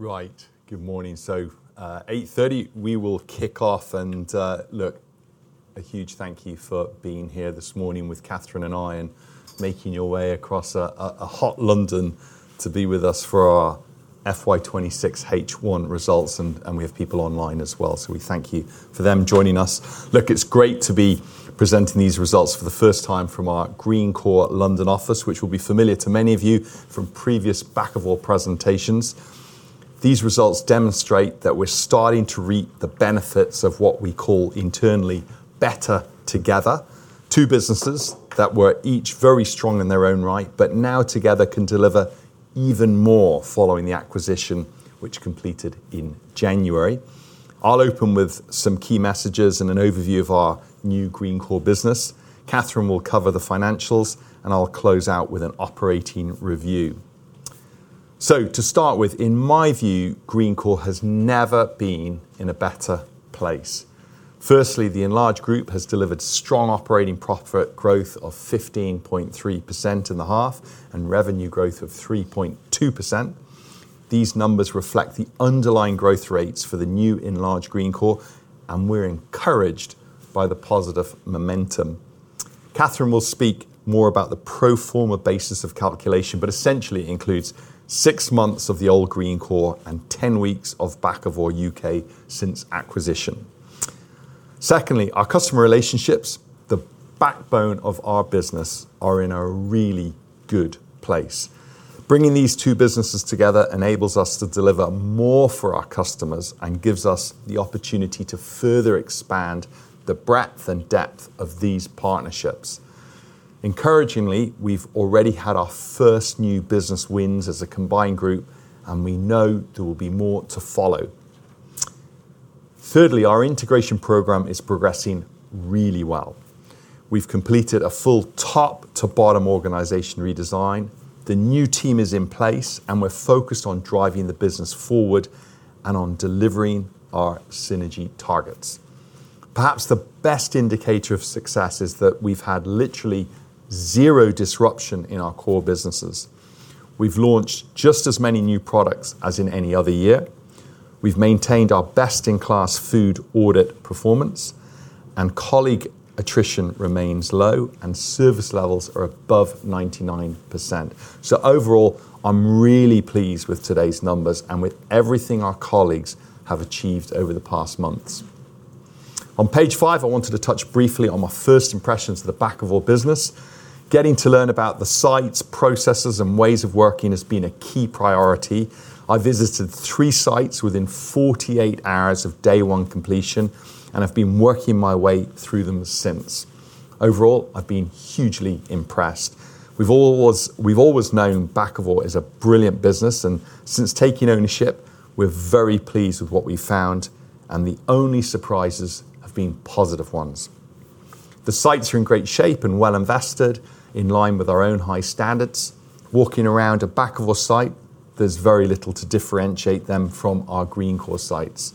Right. Good morning. 8:30 A.M., we will kick off. Look, a huge thank you for being here this morning with Catherine and I, and making your way across a hot London to be with us for our FY 2026 H1 results. We have people online as well, so we thank you for them joining us. It's great to be presenting these results for the first time from our Greencore London office, which will be familiar to many of you from previous Bakkavor presentations. These results demonstrate that we're starting to reap the benefits of what we call internally, Better Together. Two businesses that were each very strong in their own right, but now together can deliver even more following the acquisition, which completed in January. I'll open with some key messages and an overview of our new Greencore business. Catherine will cover the financials, and I'll close out with an operating review. To start with, in my view, Greencore has never been in a better place. Firstly, the enlarged group has delivered strong operating profit growth of 15.3% in the half and revenue growth of 3.2%. These numbers reflect the underlying growth rates for the new enlarged Greencore, and we're encouraged by the positive momentum. Catherine will speak more about the pro forma basis of calculation. Essentially includes six months of the old Greencore and 10 weeks of Bakkavor U.K. since acquisition. Secondly, our customer relationships, the backbone of our business, are in a really good place. Bringing these two businesses together enables us to deliver more for our customers and gives us the opportunity to further expand the breadth and depth of these partnerships. Encouragingly, we've already had our first new business wins as a combined group. We know there will be more to follow. Thirdly, our integration program is progressing really well. We've completed a full top to bottom organization redesign. The new team is in place. We're focused on driving the business forward and on delivering our synergy targets. Perhaps the best indicator of success is that we've had literally zero disruption in our core businesses. We've launched just as many new products as in any other year. We've maintained our best in class food audit performance. Colleague attrition remains low and service levels are above 99%. Overall, I'm really pleased with today's numbers and with everything our colleagues have achieved over the past months. On page five, I wanted to touch briefly on my first impressions of the Bakkavor business. Getting to learn about the sites, processes, and ways of working has been a key priority. I visited three sites within 48 hours of day one completion, and I've been working my way through them since. Overall, I've been hugely impressed. We've always known Bakkavor is a brilliant business, and since taking ownership, we're very pleased with what we've found, and the only surprises have been positive ones. The sites are in great shape and well invested in line with our own high standards. Walking around a Bakkavor site, there's very little to differentiate them from our Greencore sites.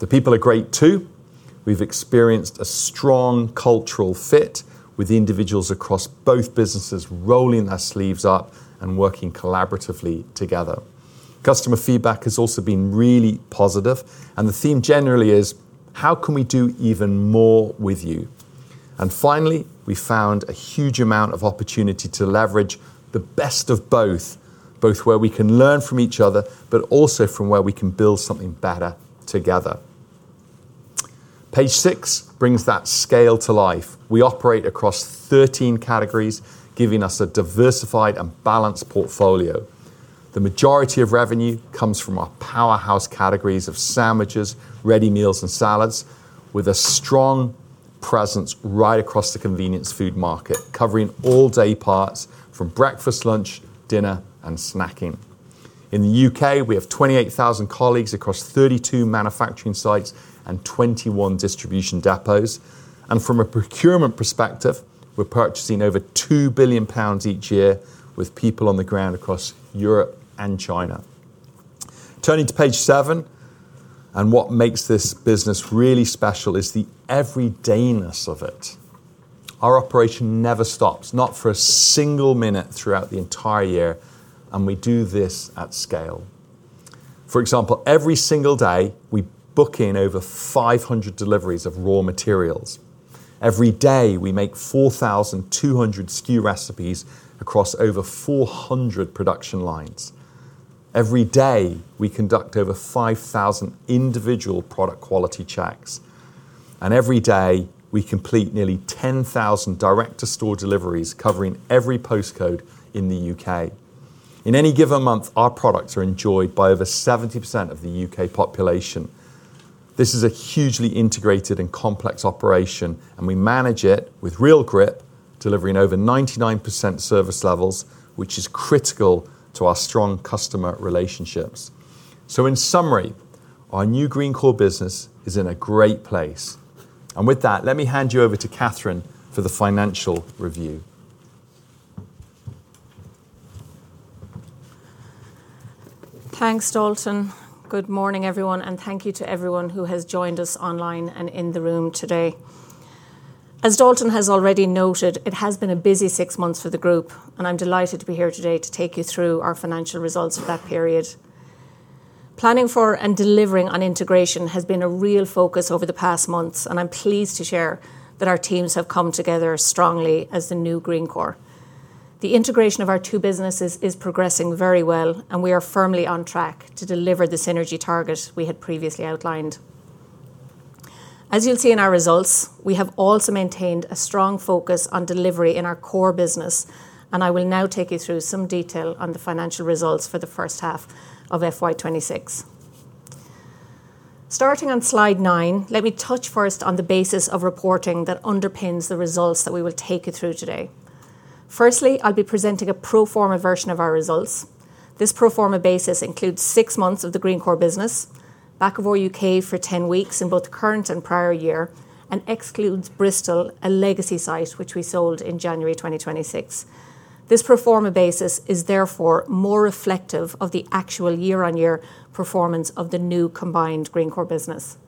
The people are great too. We've experienced a strong cultural fit with individuals across both businesses rolling their sleeves up and working collaboratively together. Customer feedback has also been really positive, and the theme generally is how can we do even more with you? Finally, we found a huge amount of opportunity to leverage the best of both where we can learn from each other, but also from where we can build something Better Together. Page six brings that scale to life. We operate across 13 categories, giving us a diversified and balanced portfolio. The majority of revenue comes from our powerhouse categories of sandwiches, ready meals, and salads with a strong presence right across the convenience food market, covering all day parts from breakfast, lunch, dinner, and snacking. In the U.K., we have 28,000 colleagues across 32 manufacturing sites and 21 distribution depots. From a procurement perspective, we're purchasing over 2 billion pounds each year with people on the ground across Europe and China. Turning to page seven, what makes this business really special is the everydayness of it. Our operation never stops, not for a single minute throughout the entire year. We do this at scale. For example, every single day we book in over 500 deliveries of raw materials. Every day, we make 4,200 SKU recipes across over 400 production lines. Every day, we conduct over 5,000 individual product quality checks. Every day, we complete nearly 10,000 direct to store deliveries covering every postcode in the U.K. In any given month, our products are enjoyed by over 70% of the U.K. population. This is a hugely integrated and complex operation. We manage it with real grip, delivering over 99% service levels, which is critical to our strong customer relationships. In summary, our new Greencore business is in a great place. With that, let me hand you over to Catherine for the financial review. Thanks, Dalton. Good morning, everyone, and thank you to everyone who has joined us online and in the room today. As Dalton has already noted, it has been a busy six months for the group, and I'm delighted to be here today to take you through our financial results for that period. Planning for and delivering on integration has been a real focus over the past months, and I'm pleased to share that our teams have come together strongly as the new Greencore. The integration of our two businesses is progressing very well, and we are firmly on track to deliver the synergy target we had previously outlined. As you'll see in our results, we have also maintained a strong focus on delivery in our core business, and I will now take you through some detail on the financial results for the first half of FY 2026. Starting on slide nine, let me touch first on the basis of reporting that underpins the results that we will take you through today. Firstly, I'll be presenting a pro forma version of our results. This pro forma basis includes six months of the Greencore business, Bakkavor U.K. For 10 weeks in both current and prior year, and excludes Bristol, a legacy site which we sold in January 2026. This pro forma basis is therefore more reflective of the actual year-on-year performance of the new combined Greencore business.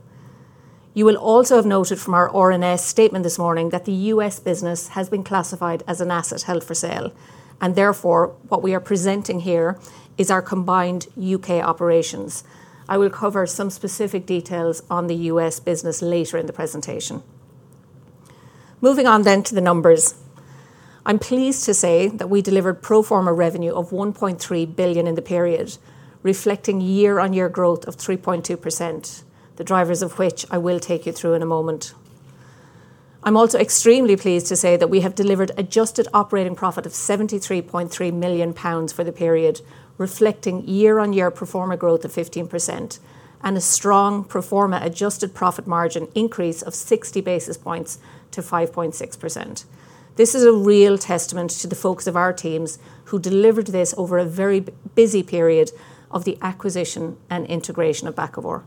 You will also have noted from our RNS statement this morning that the U.S. business has been classified as an asset held for sale, and therefore, what we are presenting here is our combined U.K. operations. I will cover some specific details on the U.S. business later in the presentation. Moving on then to the numbers. I'm pleased to say that we delivered pro forma revenue of 1.3 billion in the period, reflecting year-on-year growth of 3.2%, the drivers of which I will take you through in a moment. I'm also extremely pleased to say that we have delivered adjusted operating profit of 73.3 million pounds for the period, reflecting year-on-year pro forma growth of 15% and a strong pro forma adjusted profit margin increase of 60 basis points to 5.6%. This is a real testament to the folks of our teams who delivered this over a very busy period of the acquisition and integration of Bakkavor.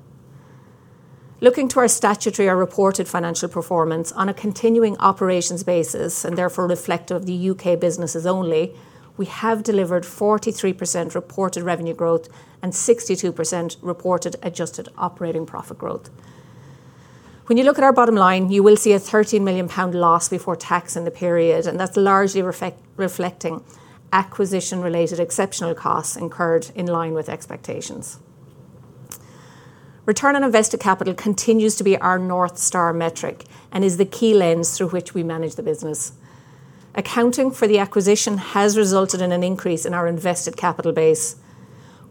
Looking to our statutory, our reported financial performance on a continuing operations basis, and therefore reflective of the U.K. businesses only, we have delivered 43% reported revenue growth and 62% reported adjusted operating profit growth. When you look at our bottom line, you will see a 30 million pound loss before tax in the period, that's largely reflecting acquisition-related exceptional costs incurred in line with expectations. Return on invested capital continues to be our North Star metric and is the key lens through which we manage the business. Accounting for the acquisition has resulted in an increase in our invested capital base.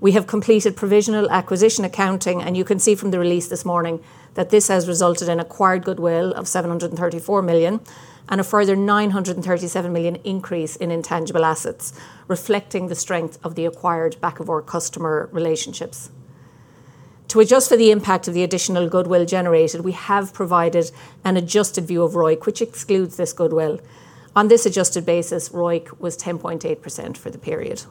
We have completed provisional acquisition accounting, you can see from the release this morning that this has resulted in acquired goodwill of 734 million and a further 937 million increase in intangible assets, reflecting the strength of the acquired Bakkavor customer relationships. To adjust for the impact of the additional goodwill generated, we have provided an adjusted view of ROIC, which excludes this goodwill. On this adjusted basis, ROIC was 10.8% for the period.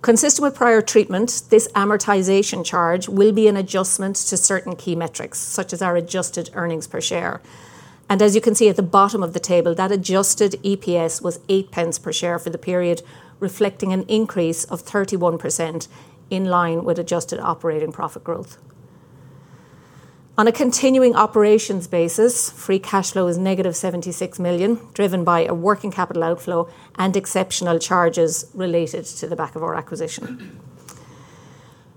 Consistent with prior treatment, this amortization charge will be an adjustment to certain key metrics, such as our adjusted earnings per share. As you can see at the bottom of the table, that adjusted EPS was 0.08 per share for the period, reflecting an increase of 31%, in line with adjusted operating profit growth. On a continuing operations basis, free cash flow is -76 million, driven by a working capital outflow and exceptional charges related to the Bakkavor acquisition.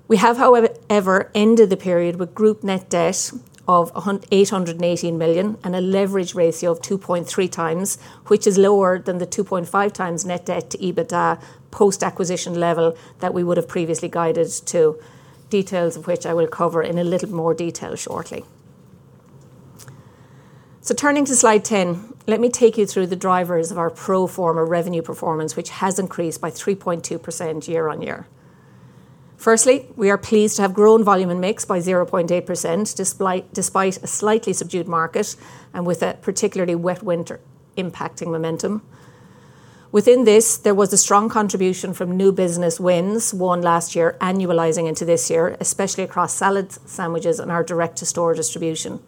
We have, however, ended the period with group net debt of 818 million and a leverage ratio of 2.3x, which is lower than the 2.5x net debt to EBITDA post-acquisition level that we would have previously guided to, details of which I will cover in a little more detail shortly. Turning to slide 10, let me take you through the drivers of our pro forma revenue performance, which has increased by 3.2% year-on-year. Firstly, we are pleased to have grown volume and mix by 0.8%, despite a slightly subdued market and with a particularly wet winter impacting momentum. Within this, there was a strong contribution from new business wins won last year annualizing into this year, especially across salads, sandwiches, and our direct-to-store distribution.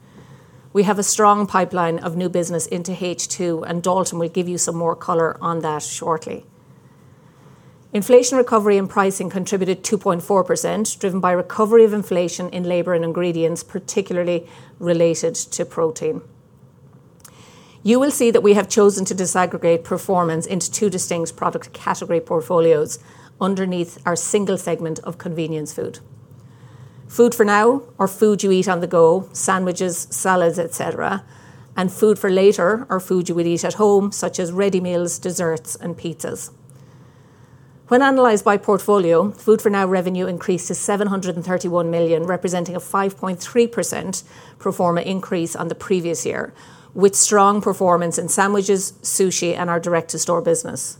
We have a strong pipeline of new business into H2, and Dalton will give you some more color on that shortly. Inflation recovery and pricing contributed 2.4%, driven by recovery of inflation in labor and ingredients, particularly related to protein. You will see that we have chosen to disaggregate performance into two distinct product category portfolios underneath our single segment of convenience food. Food for Now or food you eat on the go, sandwiches, salads, et cetera. Food for Later or food you would eat at home, such as ready meals, desserts, and pizzas. When analyzed by portfolio, Food for Now revenue increased to 731 million, representing a 5.3% pro forma increase on the previous year, with strong performance in sandwiches, sushi, and our direct-to-store business.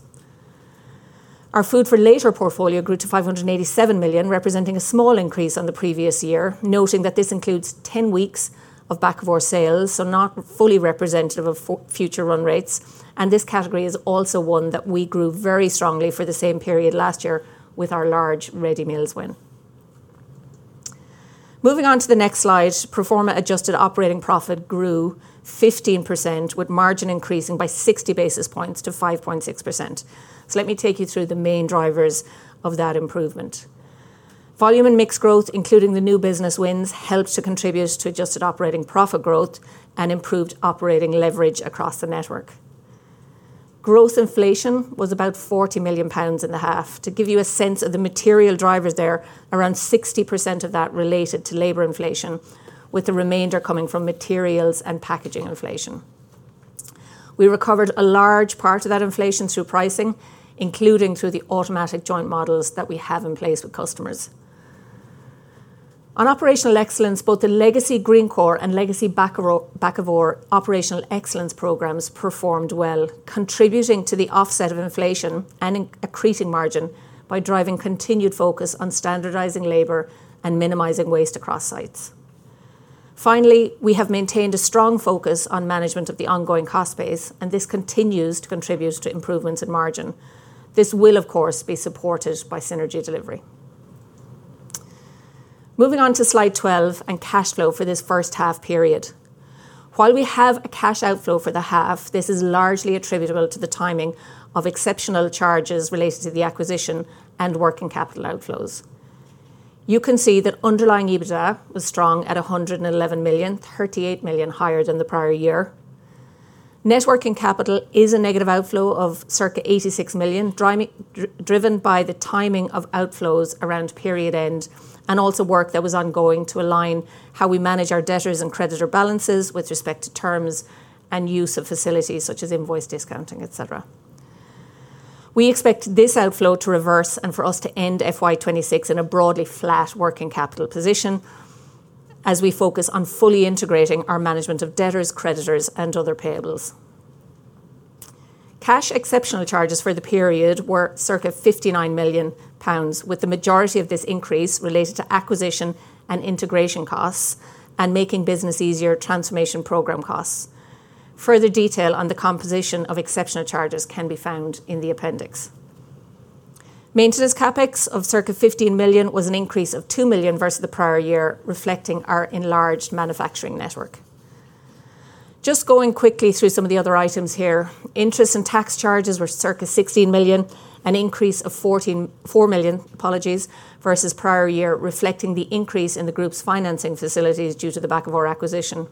Our Food for Later portfolio grew to 587 million, representing a small increase on the previous year, noting that this includes 10 weeks of Bakkavor sales, not fully representative of future run-rates. This category is also one that we grew very strongly for the same period last year with our large ready meals win. Moving on to the next slide, pro forma adjusted operating profit grew 15%, with margin increasing by 60 basis points to 5.6%. Let me take you through the main drivers of that improvement. Volume and mix growth, including the new business wins, helped to contribute to adjusted operating profit growth and improved operating leverage across the network. Gross inflation was about 40 million pounds in the half. To give you a sense of the material drivers there, around 60% of that related to labor inflation, with the remainder coming from materials and packaging inflation. We recovered a large part of that inflation through pricing, including through the automatic joint models that we have in place with customers. On operational excellence, both the legacy Greencore and legacy Bakkavor operational excellence programs performed well, contributing to the offset of inflation and increasing margin by driving continued focus on standardizing labor and minimizing waste across sites. Finally, we have maintained a strong focus on management of the ongoing cost base, and this continues to contribute to improvements in margin. This will, of course, be supported by synergy delivery. Moving on to slide 12 and cash flow for this first half period. We have a cash outflow for the half, this is largely attributable to the timing of exceptional charges related to the acquisition and working capital outflows. You can see that underlying EBITDA was strong at 111 million, 38 million higher than the prior year. Net working capital is a negative outflow of circa 86 million, driven by the timing of outflows around period end, and also work that was ongoing to align how we manage our debtors and creditor balances with respect to terms and use of facilities such as invoice discounting, et cetera. We expect this outflow to reverse and for us to end FY 2026 in a broadly flat working capital position as we focus on fully integrating our management of debtors, creditors, and other payables. Cash exceptional charges for the period were circa 59 million pounds, with the majority of this increase related to acquisition and integration costs and Making Business Easier transformation program costs. Further detail on the composition of exceptional charges can be found in the appendix. Maintenance CapEx of circa 15 million was an increase of 2 million versus the prior year, reflecting our enlarged manufacturing network. Just going quickly through some of the other items here. Interest and tax charges were circa 16 million, an increase of 4 million, apologies, versus prior year, reflecting the increase in the group's financing facilities due to the Bakkavor acquisition.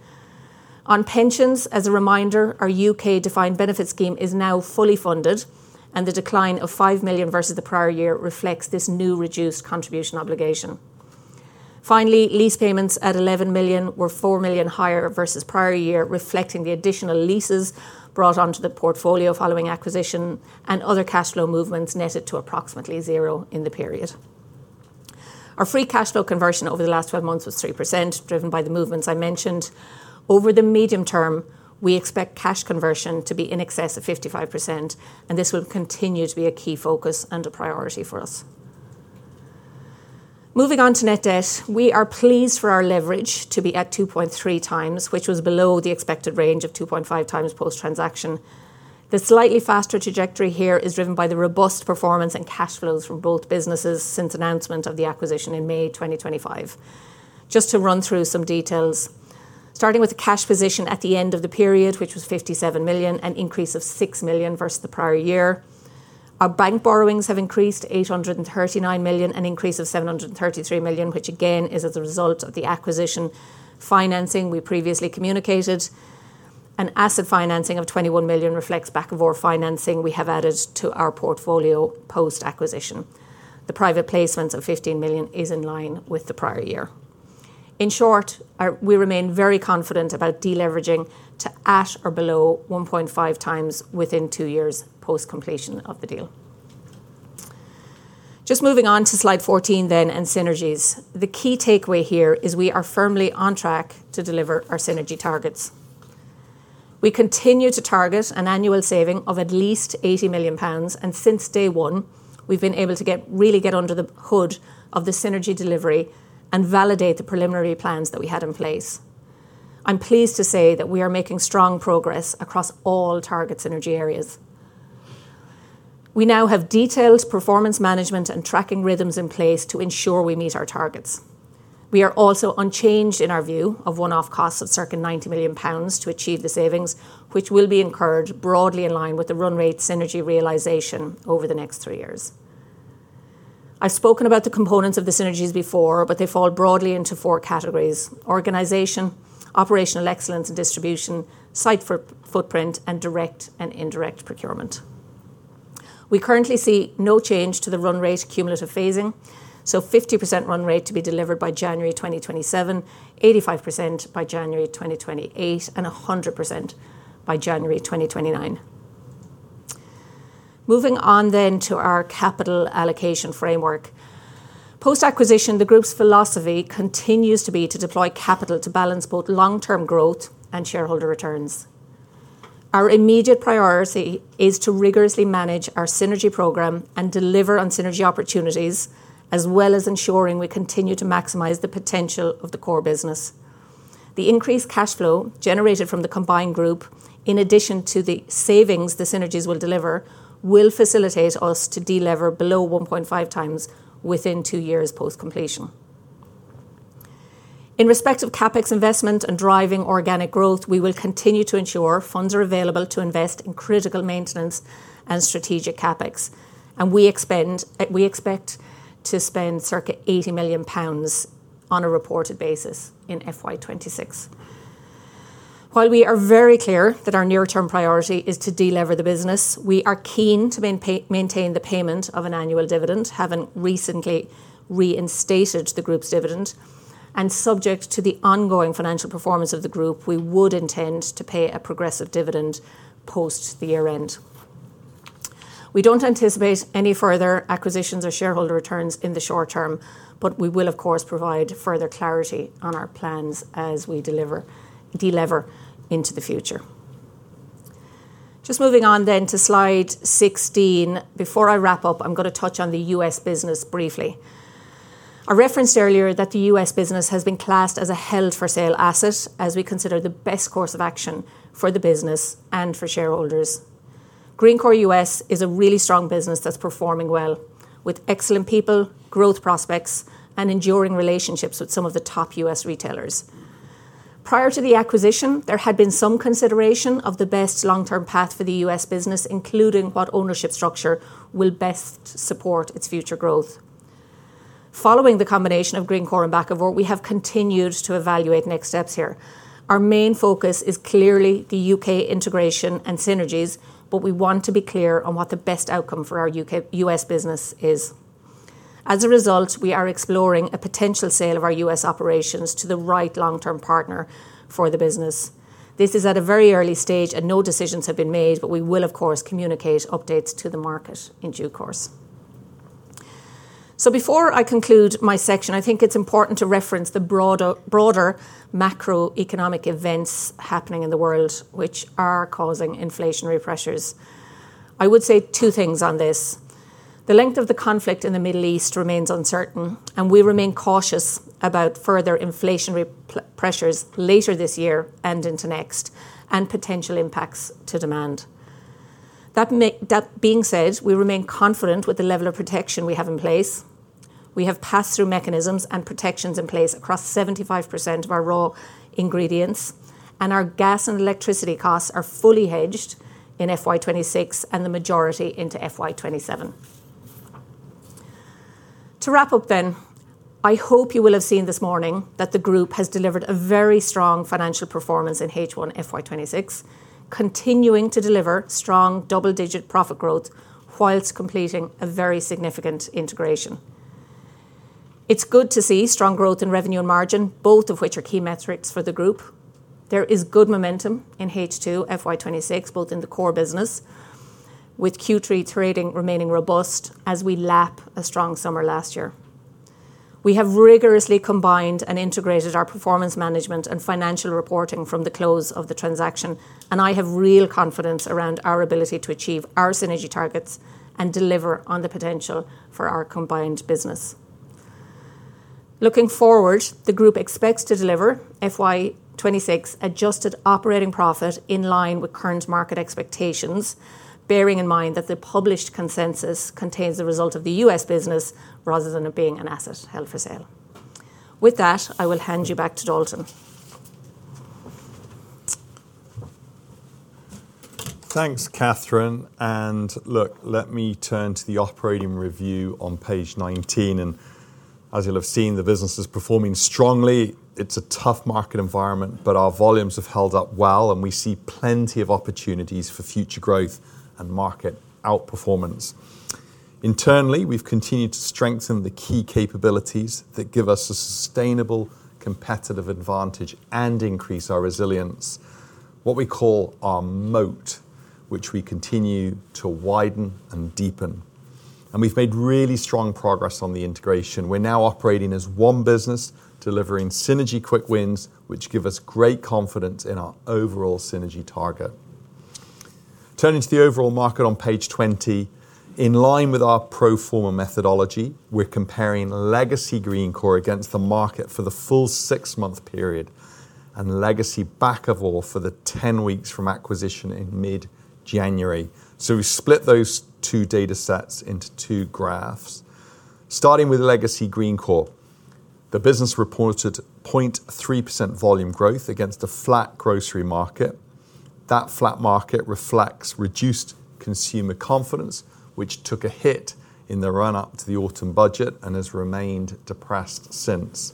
On pensions, as a reminder, our U.K. defined benefit scheme is now fully funded. The decline of 5 million versus the prior year reflects this new reduced contribution obligation. Lease payments at 11 million were 4 million higher versus prior year, reflecting the additional leases brought onto the portfolio following acquisition and other cash flow movements netted to approximately zero in the period. Our free cash flow conversion over the last 12 months was 3%, driven by the movements I mentioned. Over the medium term, we expect cash conversion to be in excess of 55%. This will continue to be a key focus and a priority for us. Moving on to net debt. We are pleased for our leverage to be at 2.3x, which was below the expected range of 2.5x post-transaction. The slightly faster trajectory here is driven by the robust performance and cash flows from both businesses since announcement of the acquisition in May 2025. Just to run through some details. Starting with the cash position at the end of the period, which was 57 million, an increase of 6 million versus the prior year. Our bank borrowings have increased to 839 million, an increase of 733 million, which again is as a result of the acquisition financing we previously communicated. An asset financing of 21 million reflects Bakkavor financing we have added to our portfolio post-acquisition. The private placement of 15 million is in line with the prior year. In short, we remain very confident about deleveraging to at or below 1.5x within two years post-completion of the deal. Just moving on to slide 14 then and synergies. The key takeaway here is we are firmly on track to deliver our synergy targets. We continue to target an annual saving of at least 80 million pounds. Since day one, we've been able to really get under the hood of the synergy delivery and validate the preliminary plans that we had in place. I'm pleased to say that we are making strong progress across all target synergy areas. We now have detailed performance management and tracking rhythms in place to ensure we meet our targets. We are also unchanged in our view of one-off costs of circa 90 million pounds to achieve the savings, which will be incurred broadly in line with the run-rate synergy realization over the next three years. I've spoken about the components of the synergies before. They fall broadly into four categories: organization, operational excellence and distribution, site footprint, and direct and indirect procurement. We currently see no change to the run-rate cumulative phasing, so 50% run-rate to be delivered by January 2027, 85% by January 2028, and 100% by January 2029. Moving on to our capital allocation framework. Post-acquisition, the group's philosophy continues to be to deploy capital to balance both long-term growth and shareholder returns. Our immediate priority is to rigorously manage our synergy program and deliver on synergy opportunities, as well as ensuring we continue to maximize the potential of the core business. The increased cash flow generated from the combined group, in addition to the savings the synergies will deliver, will facilitate us to delever below 1.5x within two years post-completion. In respect of CapEx investment and driving organic growth, we will continue to ensure funds are available to invest in critical maintenance and strategic CapEx. We expect to spend circa 80 million pounds on a reported basis in FY 2026. While we are very clear that our near-term priority is to de-lever the business, we are keen to maintain the payment of an annual dividend, having recently reinstated the group's dividend. Subject to the ongoing financial performance of the group, we would intend to pay a progressive dividend post the year-end. We don't anticipate any further acquisitions or shareholder returns in the short term, but we will, of course, provide further clarity on our plans as we de-lever into the future. Moving on to slide 16. Before I wrap up, I'm going to touch on the U.S. business briefly. I referenced earlier that the U.S. business has been classed as a held for sale asset as we consider the best course of action for the business and for shareholders. Greencore U.S. is a really strong business that's performing well, with excellent people, growth prospects, and enduring relationships with some of the top U.S. retailers. Prior to the acquisition, there had been some consideration of the best long-term path for the U.S. business, including what ownership structure will best support its future growth. Following the combination of Greencore and Bakkavor, we have continued to evaluate next steps here. Our main focus is clearly the U.K. integration and synergies, but we want to be clear on what the best outcome for our U.S. business is. As a result, we are exploring a potential sale of our U.S. operations to the right long-term partner for the business. This is at a very early stage and no decisions have been made, but we will, of course, communicate updates to the market in due course. Before I conclude my section, I think it's important to reference the broader macroeconomic events happening in the world, which are causing inflationary pressures. I would say two things on this. The length of the conflict in the Middle East remains uncertain, and we remain cautious about further inflationary pressures later this year and into next, and potential impacts to demand. That being said, we remain confident with the level of protection we have in place. We have pass-through mechanisms and protections in place across 75% of our raw ingredients, and our gas and electricity costs are fully hedged in FY 2026, and the majority into FY 2027. To wrap up, I hope you will have seen this morning that the group has delivered a very strong financial performance in H1 FY 2026, continuing to deliver strong double-digit profit growth whilst completing a very significant integration. It's good to see strong growth in revenue and margin, both of which are key metrics for the group. There is good momentum in H2 FY 2026, both in the core business, with Q3 trading remaining robust as we lap a strong summer last year. We have rigorously combined and integrated our performance management and financial reporting from the close of the transaction, and I have real confidence around our ability to achieve our synergy targets and deliver on the potential for our combined business. Looking forward, the group expects to deliver FY 2026 adjusted operating profit in line with current market expectations, bearing in mind that the published consensus contains the result of the U.S. business rather than it being an asset held for sale. With that, I will hand you back to Dalton. Thanks, Catherine. Look, let me turn to the operating review on page 19. As you'll have seen, the business is performing strongly. It's a tough market environment, but our volumes have held up well, and we see plenty of opportunities for future growth and market outperformance. Internally, we've continued to strengthen the key capabilities that give us a sustainable competitive advantage and increase our resilience, what we call our moat, which we continue to widen and deepen. We've made really strong progress on the integration. We're now operating as one business, delivering synergy quick wins, which give us great confidence in our overall synergy target. Turning to the overall market on page 20. In line with our pro forma methodology, we're comparing legacy Greencore against the market for the full six-month period, and legacy Bakkavor for the 10 weeks from acquisition in mid-January. We split those two data sets into two graphs. Starting with legacy Greencore, the business reported 0.3% volume growth against a flat grocery market. That flat market reflects reduced consumer confidence, which took a hit in the run-up to the autumn budget and has remained depressed since.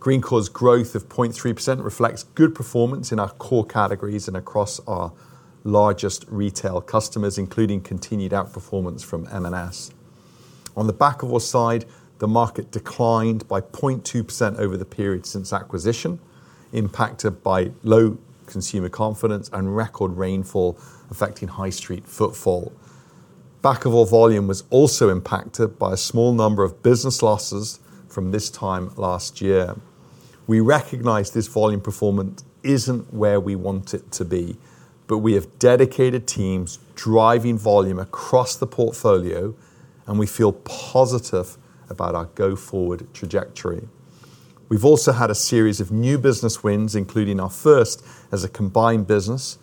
Greencore's growth of 0.3% reflects good performance in our core categories and across our largest retail customers, including continued outperformance from M&S. On the Bakkavor side, the market declined by 0.2% over the period since acquisition, impacted by low consumer confidence and record rainfall affecting high street footfall. Bakkavor volume was also impacted by a small number of business losses from this time last year. We recognize this volume performance isn't where we want it to be, but we have dedicated teams driving volume across the portfolio, and we feel positive about our go-forward trajectory. We've also had a series of new business wins, including our first as a combined business.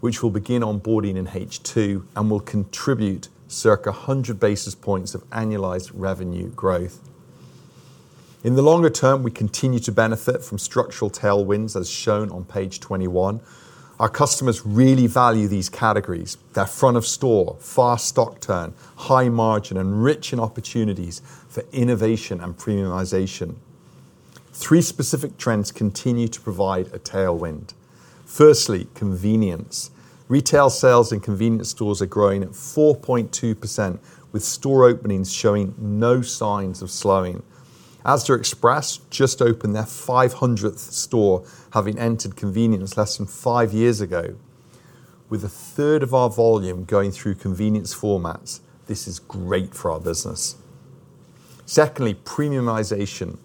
Which will begin onboarding in H2 and will contribute circa 100 basis points of annualized revenue growth. In the longer term, we continue to benefit from structural tailwinds, as shown on page 21. Our customers really value these categories. They're front of store, fast stock turn, high margin, and rich in opportunities for innovation and premiumization. Three specific trends continue to provide a tailwind. Firstly, convenience. Retail sales in convenience stores are growing at 4.2%, with store openings showing no signs of slowing. Asda Express just opened their 500th store, having entered convenience less than five years ago. With a third of our volume going through convenience formats, this is great for our business. Secondly, premiumization.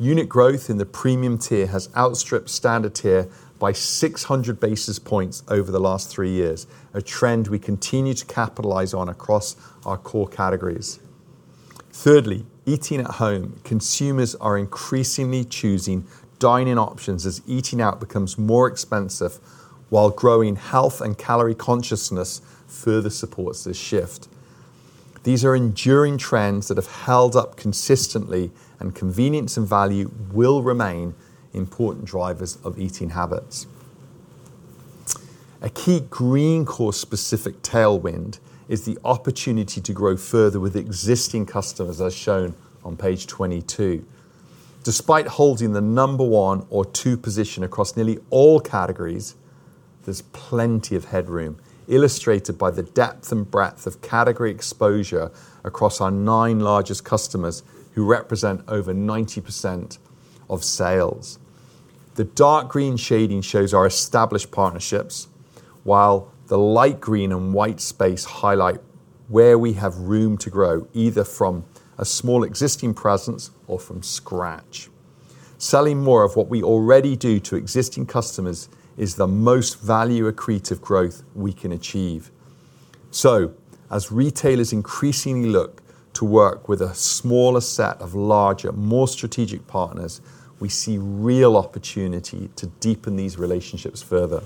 Unit growth in the premium tier has outstripped standard tier by 600 basis points over the last three years, a trend we continue to capitalize on across our core categories. Thirdly, eating at home. Consumers are increasingly choosing dine-in options as eating out becomes more expensive, while growing health and calorie consciousness further supports this shift. These are enduring trends that have held up consistently. Convenience and value will remain important drivers of eating habits. A key Greencore specific tailwind is the opportunity to grow further with existing customers, as shown on page 22. Despite holding the number 1 or 2 position across nearly all categories, there's plenty of headroom, illustrated by the depth and breadth of category exposure across our nine largest customers, who represent over 90% of sales. The dark green shading shows our established partnerships, while the light green and white space highlight where we have room to grow, either from a small existing presence or from scratch. Selling more of what we already do to existing customers is the most value accretive growth we can achieve. As retailers increasingly look to work with a smaller set of larger, more strategic partners, we see real opportunity to deepen these relationships further.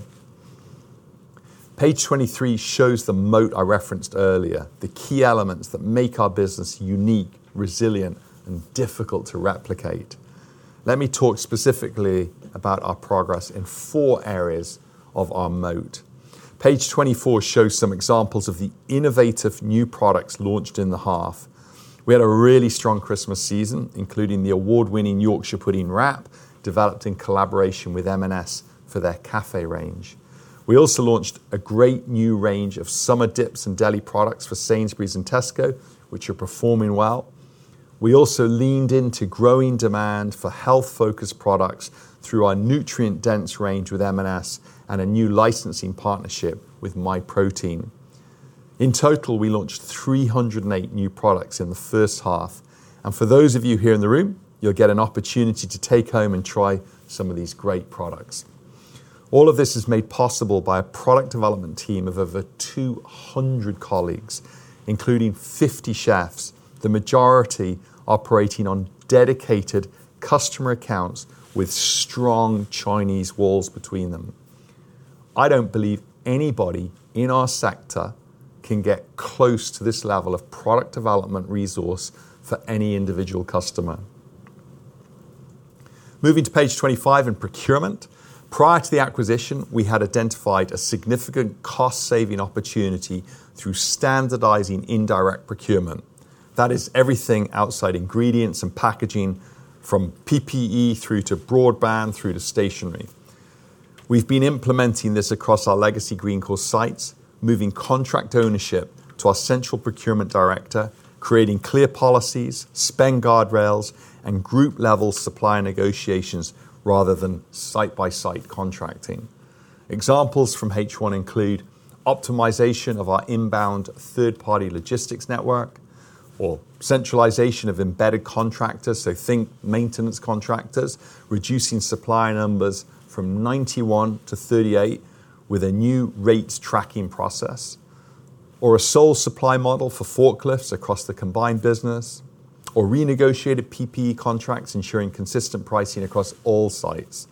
Page 23 shows the moat I referenced earlier, the key elements that make our business unique, resilient, and difficult to replicate. Let me talk specifically about our progress in four areas of our moat. Page 24 shows some examples of the innovative new products launched in the half. We had a really strong Christmas season, including the award-winning Yorkshire pudding wrap, developed in collaboration with M&S for their cafe range. We also launched a great new range of summer dips and deli products for Sainsbury's and Tesco, which are performing well. We also leaned into growing demand for health-focused products through our nutrient-dense range with M&S and a new licensing partnership with Myprotein. In total, we launched 308 new products in the first half. For those of you here in the room, you'll get an opportunity to take home and try some of these great products. All of this is made possible by a product development team of over 200 colleagues, including 50 chefs, the majority operating on dedicated customer accounts with strong Chinese walls between them. I don't believe anybody in our sector can get close to this level of product development resource for any individual customer. Moving to page 25 in procurement, prior to the acquisition, we had identified a significant cost-saving opportunity through standardizing indirect procurement. That is everything outside ingredients and packaging, from PPE through to broadband through to stationery. We've been implementing this across our legacy Greencore sites, moving contract ownership to our central procurement director, creating clear policies, spend guardrails, and group-level supplier negotiations rather than site-by-site contracting. Examples from H1 include optimization of our inbound third-party logistics network or centralization of embedded contractors, so think maintenance contractors, reducing supplier numbers from 91 to 38 with a new rates tracking process, or a sole supply model for forklifts across the combined business, or renegotiated PPE contracts ensuring consistent pricing across all sites.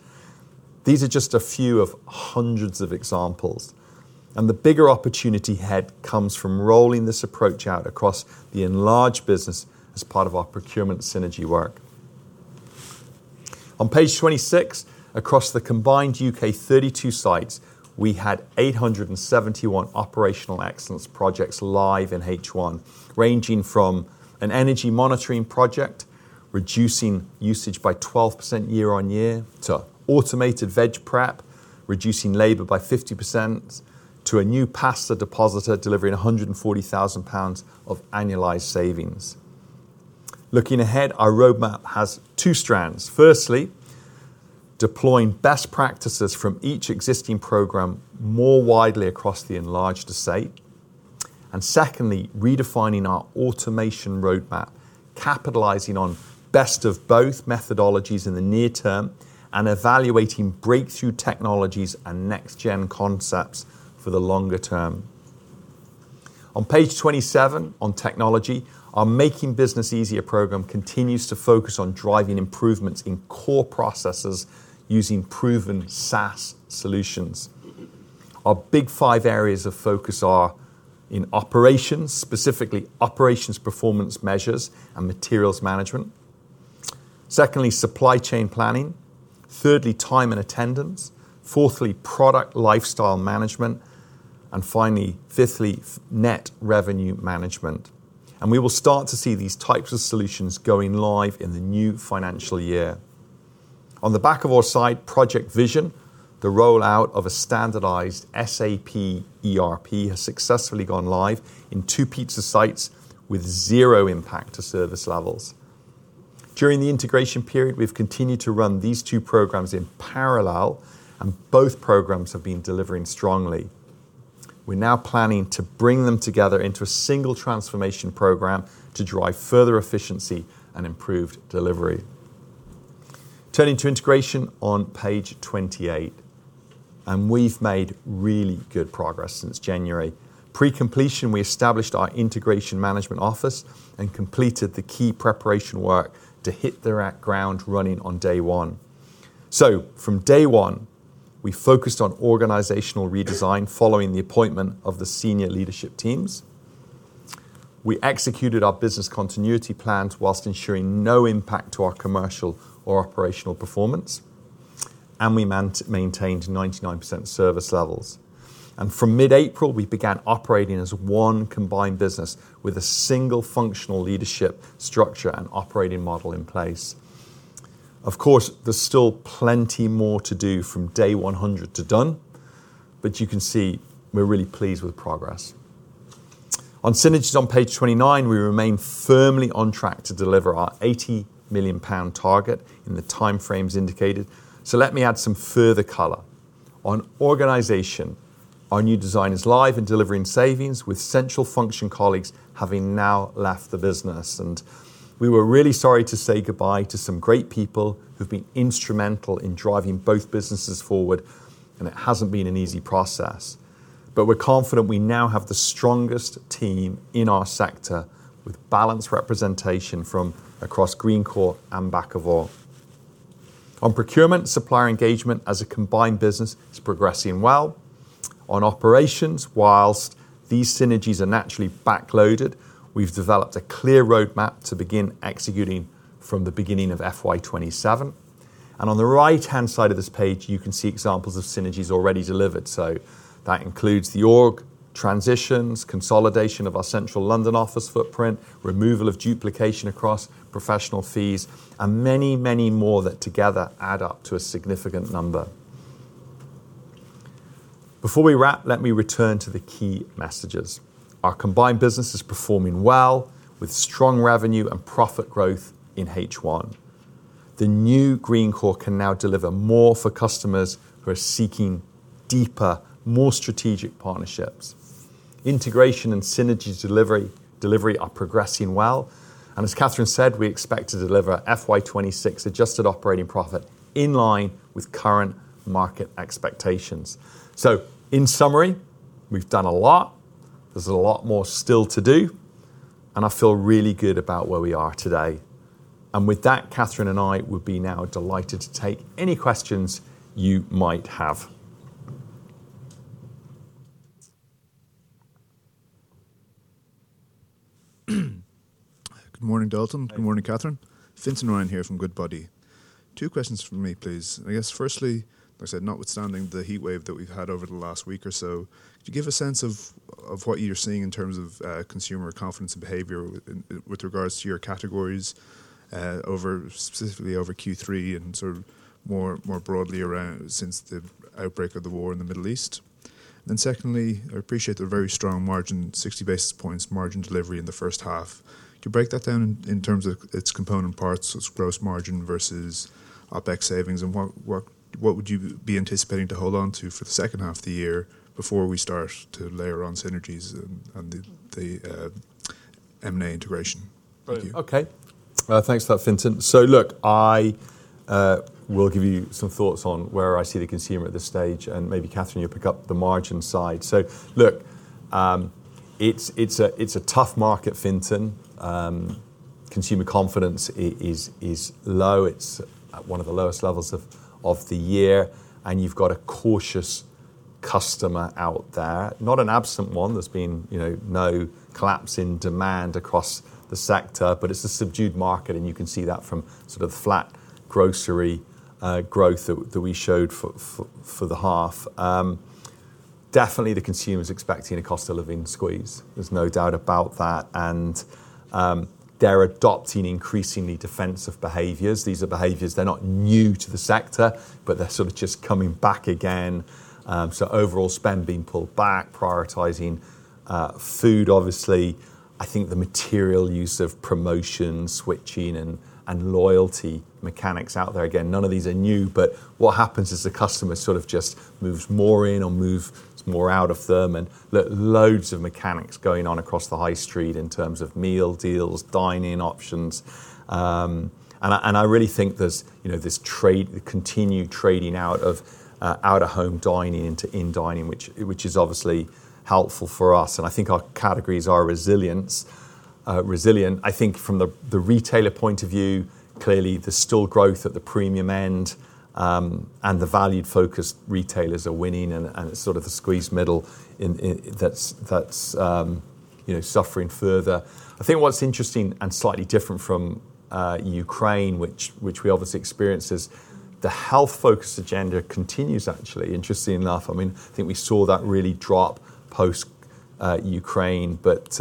These are just a few of hundreds of examples, the bigger opportunity ahead comes from rolling this approach out across the enlarged business as part of our procurement synergy work. On page 26, across the combined U.K. 32 sites, we had 871 operational excellence projects live in H1, ranging from an energy monitoring project reducing usage by 12% year-on-year, to automated veg prep reducing labor by 50%, to a new pasta depositor delivering 140,000 pounds of annualized savings. Looking ahead, our roadmap has two strands. Firstly, deploying best practices from each existing program more widely across the enlarged estate, and secondly, redefining our automation roadmap, capitalizing on best of both methodologies in the near term and evaluating breakthrough technologies and next gen concepts for the longer term. On page 27 on technology, our Making Business Easier program continues to focus on driving improvements in core processes using proven SaaS solutions. Our big five areas of focus are in operations, specifically operations performance measures and materials management. Secondly, supply chain planning. Thirdly, time and attendance. Fourthly, product lifecycle management. Finally, fifthly, net revenue management. We will start to see these types of solutions going live in the new financial year. On the Bakkavor side, Project Vision, the rollout of a standardized SAP ERP has successfully gone live in two pizza sites with zero impact to service levels. During the integration period, we've continued to run these two programs in parallel, and both programs have been delivering strongly. We're now planning to bring them together into a single transformation program to drive further efficiency and improved delivery. Turning to integration on page 28. We've made really good progress since January. Pre-completion, we established our integration management office and completed the key preparation work to hit the ground running on day one. From day one, we focused on organizational redesign following the appointment of the senior leadership teams. We executed our business continuity plans while ensuring no impact to our commercial or operational performance. We maintained 99% service levels. From mid-April, we began operating as one combined business with a single functional leadership structure and operating model in place. Of course, there's still plenty more to do from day 100 to done. You can see we're really pleased with progress. On synergies on page 29, we remain firmly on track to deliver our 80 million pound target in the time frames indicated. Let me add some further color. On organization, our new design is live and delivering savings with central function colleagues having now left the business. We were really sorry to say goodbye to some great people who've been instrumental in driving both businesses forward. It hasn't been an easy process. We're confident we now have the strongest team in our sector, with balanced representation from across Greencore and Bakkavor. On procurement and supplier engagement as a combined business is progressing well. On operations, while these synergies are naturally backloaded, we've developed a clear roadmap to begin executing from the beginning of FY 2027. On the right-hand side of this page, you can see examples of synergies already delivered. That includes the org transitions, consolidation of our Central London office footprint, removal of duplication across professional fees, and many more that together add up to a significant number. Before we wrap, let me return to the key messages. Our combined business is performing well with strong revenue and profit growth in H1. The new Greencore can now deliver more for customers who are seeking deeper, more strategic partnerships. Integration and synergies delivery are progressing well. As Catherine said, we expect to deliver FY 2026 adjusted operating profit in line with current market expectations. In summary, we've done a lot. There's a lot more still to do, and I feel really good about where we are today. With that, Catherine and I would be now delighted to take any questions you might have. Good morning, Dalton. Good morning. Good morning, Catherine. Fintan Ryan here from Goodbody. Two questions from me, please. I guess firstly, like I said, notwithstanding the heatwave that we've had over the last week or so, could you give a sense of what you're seeing in terms of consumer confidence and behavior with regards to your categories specifically over Q3 and more broadly around since the outbreak of the war in the Middle East? Then secondly, I appreciate the very strong margin, 60 basis points margin delivery in the first half. Could you break that down in terms of its component parts, its gross margin versus OpEx savings, and what would you be anticipating to hold on to for the second half of the year before we start to layer on synergies and the M&A integration? Thank you. Okay. Thanks for that, Fintan. Look, I will give you some thoughts on where I see the consumer at this stage, and maybe Catherine, you'll pick up the margin side. Look, it's a tough market, Fintan. Consumer confidence is low. It's at one of the lowest levels of the year, and you've got a cautious customer out there. Not an absent one. There's been no collapse in demand across the sector, but it's a subdued market, and you can see that from sort of flat grocery growth that we showed for the half. Definitely, the consumer's expecting a cost of living squeeze. There's no doubt about that. They're adopting increasingly defensive behaviors. These are behaviors, they're not new to the sector, but they're sort of just coming back again. Overall spend being pulled back, prioritizing food, obviously. I think the material use of promotion switching and loyalty mechanics out there. None of these are new, but what happens is the customer sort of just moves more in or moves more out of them and loads of mechanics going on across the high street in terms of meal deals, dine-in options. I really think there's this continued trading out of out-of-home dining into in dining, which is obviously helpful for us. I think our categories are resilient. I think from the retailer point of view, clearly there's still growth at the premium end, and the value-focused retailers are winning, and it's sort of the squeezed middle that's suffering further. I think what's interesting and slightly different from Ukraine, which we obviously experienced, is the health focus agenda continues actually, interestingly enough. I think we saw that really drop post Ukraine, but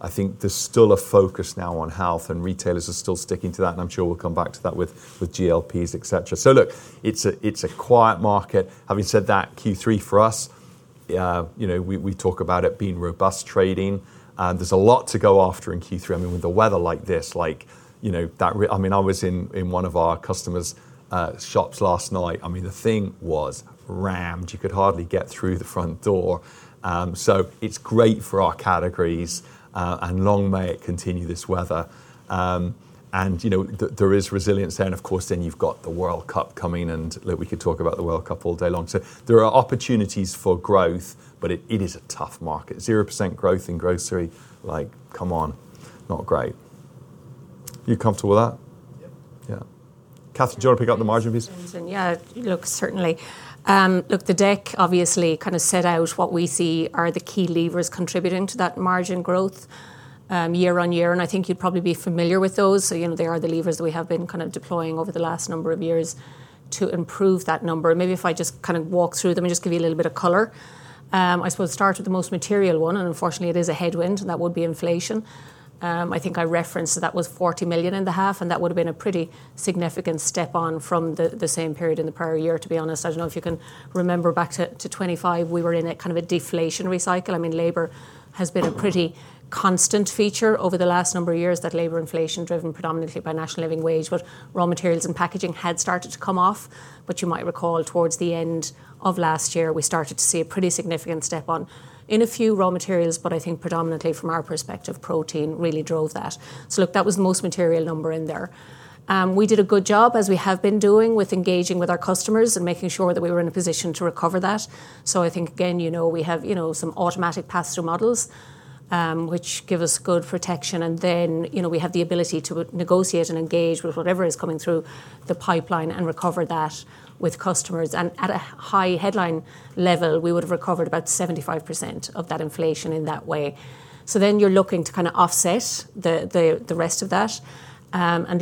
I think there's still a focus now on health, and retailers are still sticking to that, and I'm sure we'll come back to that with GLPs, et cetera. Look, it's a quiet market. Having said that, Q3 for us, we talk about it being robust trading. There's a lot to go after in Q3. With the weather like this, I was in one of our customers' shops last night. The thing was rammed. You could hardly get through the front door. It's great for our categories, and long may it continue this weather. There is resilience there, and of course then you've got the World Cup coming, and look, we could talk about the World Cup all day long. There are opportunities for growth, but it is a tough market, 0% growth in grocery, like, come on, not great. You comfortable with that? Yep. Catherine, do you want to pick up the margin piece? Certainly. The deck obviously set out what we see are the key levers contributing to that margin growth year-on-year. I think you'd probably be familiar with those. They are the levers that we have been deploying over the last number of years to improve that number. Maybe if I just walk through them and just give you a little bit of color. I suppose start with the most material one, unfortunately it is a headwind, and that would be inflation. I think I referenced that was 40 million in the half, and that would've been a pretty significant step on from the same period in the prior year, to be honest. I don't know if you can remember back to 2025, we were in a deflationary cycle. Labor has been a pretty constant feature over the last number of years, that labor inflation driven predominantly by national living wage. Raw materials and packaging had started to come off. You might recall towards the end of last year, we started to see a pretty significant step on in a few raw materials. I think predominantly from our perspective, protein really drove that. Look, that was the most material number in there. We did a good job, as we have been doing, with engaging with our customers and making sure that we were in a position to recover that. I think again, we have some automatic pass-through models, which give us good protection and then we have the ability to negotiate and engage with whatever is coming through the pipeline and recover that with customers. At a high headline level, we would've recovered about 75% of that inflation in that way. You're looking to offset the rest of that.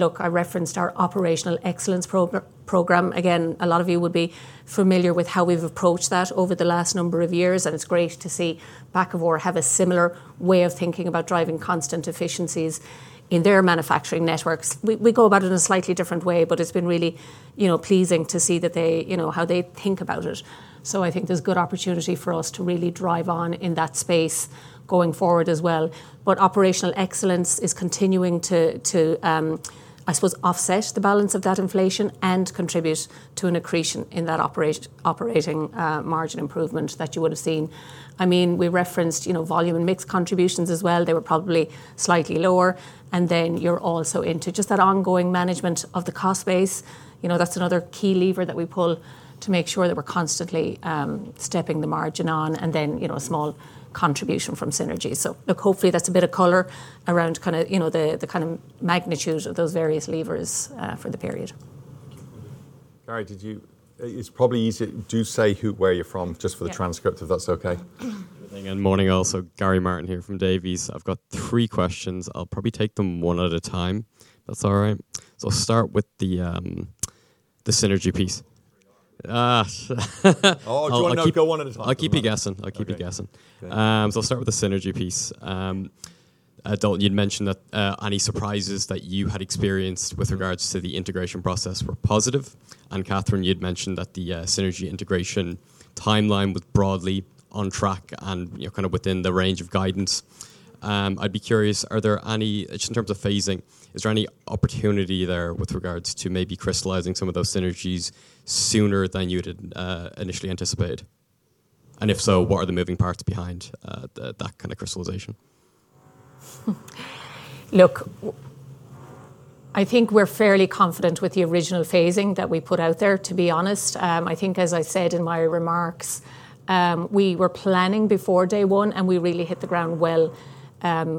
Look, I referenced our operational excellence program. Again, a lot of you will be familiar with how we've approached that over the last number of years, and it's great to see Bakkavor have a similar way of thinking about driving constant efficiencies in their manufacturing networks. We go about it in a slightly different way, but it's been really pleasing to see how they think about it. I think there's good opportunity for us to really drive on in that space going forward as well. Operational excellence is continuing to, I suppose, offset the balance of that inflation and contribute to an accretion in that operating margin improvement that you would've seen. We referenced volume and mix contributions as well. They were probably slightly lower. You're also into just that ongoing management of the cost base. That's another key lever that we pull to make sure that we're constantly stepping the margin on, and then a small contribution from synergy. Look, hopefully that's a bit of color around the magnitude of those various levers for the period. Gary, do say where you're from just for the transcript. Yeah if that's okay. Good morning. Also Gary Martin here from Davy. I've got three questions. I'll probably take them one at a time, if that's all right. I'll start with the synergy piece. Oh, do you want to go one at a time? I'll keep you guessing. Okay. I'll start with the synergy piece. Dalton, you'd mentioned that any surprises that you had experienced with regards to the integration process were positive, and Catherine, you'd mentioned that the synergy integration timeline was broadly on track and within the range of guidance. I'd be curious, just in terms of phasing, is there any opportunity there with regards to maybe crystallizing some of those synergies sooner than you had initially anticipated? If so, what are the moving parts behind that kind of crystallization? Look, I think we're fairly confident with the original phasing that we put out there, to be honest. I think as I said in my remarks, we were planning before day one, and we really hit the ground well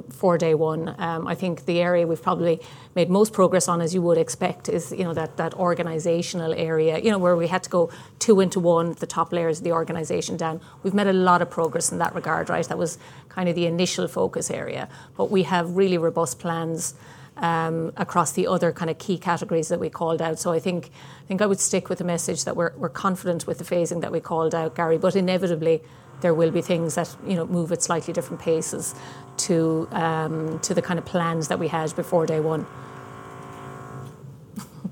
for day one. I think the area we've probably made most progress on, as you would expect, is that organizational area, where we had to go two into one at the top layers of the organization down. We've made a lot of progress in that regard, right? That was kind of the initial focus area. We have really robust plans across the other key categories that we called out. I think I would stick with the message that we're confident with the phasing that we called out, Gary. Inevitably there will be things that move at slightly different paces to the kind of plans that we had before day one.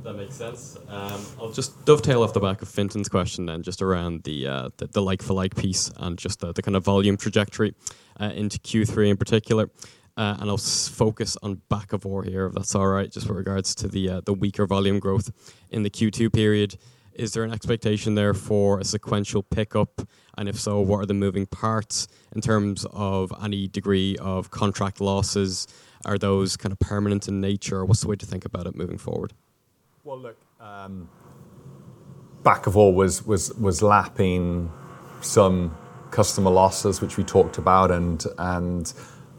That makes sense. I'll just dovetail off the back of Fintan's question then, just around the like-for-like piece and just the volume trajectory into Q3 in particular. I'll focus on Bakkavor here, if that's all right, just with regards to the weaker volume growth in the Q2 period. Is there an expectation there for a sequential pickup, and if so, what are the moving parts in terms of any degree of contract losses? Are those permanent in nature? What's the way to think about it moving forward? Bakkavor was lapping some customer losses, which we talked about.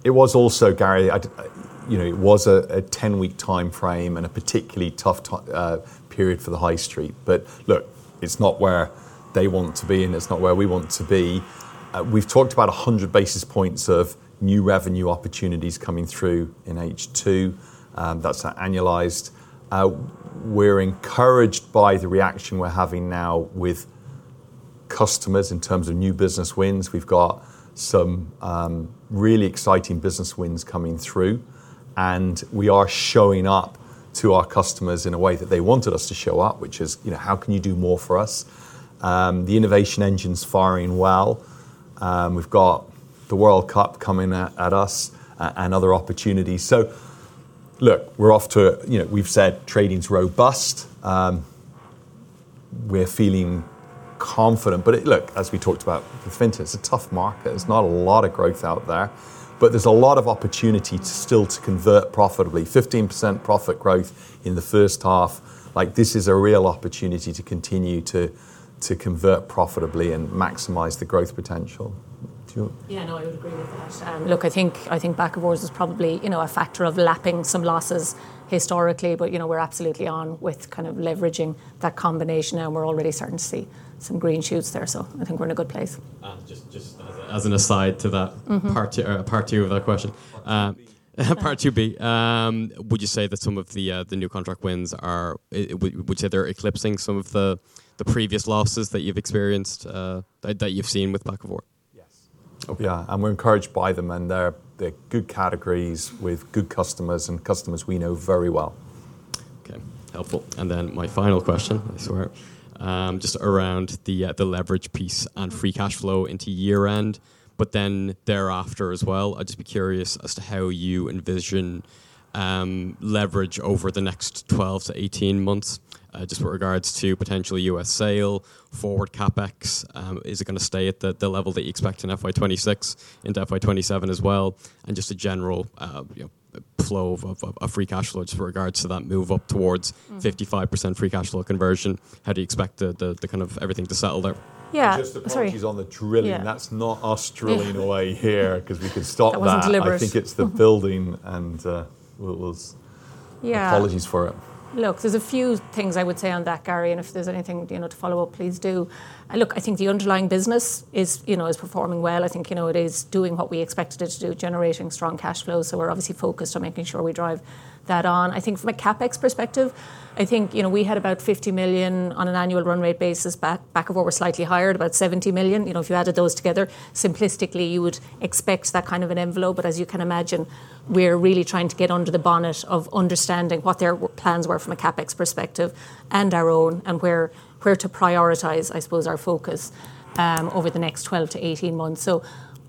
It was also, Gary, it was a 10-week timeframe and a particularly tough period for the High Street. Look, it's not where they want to be, and it's not where we want to be. We've talked about 100 basis points of new revenue opportunities coming through in H2. That's annualized. We're encouraged by the reaction we're having now with customers in terms of new business wins. We've got some really exciting business wins coming through, and we are showing up to our customers in a way that they wanted us to show up, which is, how can you do more for us? The innovation engine's firing well. We've got the World Cup coming at us and other opportunities. Look, we've said trading's robust. We're feeling confident. Look, as we talked about with Fintan, it's a tough market. There's not a lot of growth out there. There's a lot of opportunity still to convert profitably. 15% profit growth in the first half. This is a real opportunity to continue to convert profitably and maximize the growth potential. Yeah, no, I would agree with that. Look, I think Bakkavor's is probably a factor of lapping some losses historically, but we're absolutely on with kind of leveraging that combination now, and we're already starting to see some green shoots there. I think we're in a good place. Just as an aside to that. Part two of that question. Part 2B. Would you say they're eclipsing some of the previous losses that you've experienced, that you've seen with Bakkavor? Yes. Okay. Yeah. We're encouraged by them, and they're good categories with good customers, and customers we know very well. Okay. Helpful. My final question, I swear, just around the leverage piece and free cash flow into year-end, but then thereafter as well. I'd just be curious as to how you envision leverage over the next 12 to 18 months, just with regards to potential U.S. sale, forward CapEx. Is it going to stay at the level that you expect in FY 2026, into FY 2027 as well? Just a general flow of free cash flow, just with regards to that move up towards 55% free cash flow conversion. How do you expect everything to settle there? Yeah. Sorry. Just apologies on the drilling. Yeah. That's not us drilling away here, because we could stop that. That wasn't deliberate. I think it's the building, and apologies for it. There's a few things I would say on that, Gary, and if there's anything to follow up, please do. I think the underlying business is performing well. I think it is doing what we expected it to do, generating strong cash flow. We're obviously focused on making sure we drive that on. I think from a CapEx perspective, I think we had about 50 million on an annual run-rate basis. Bakkavor were slightly higher, at about 70 million. If you added those together, simplistically, you would expect that kind of an envelope. As you can imagine, we're really trying to get under the bonnet of understanding what their plans were from a CapEx perspective and our own, and where to prioritize, I suppose, our focus over the next 12-18 months.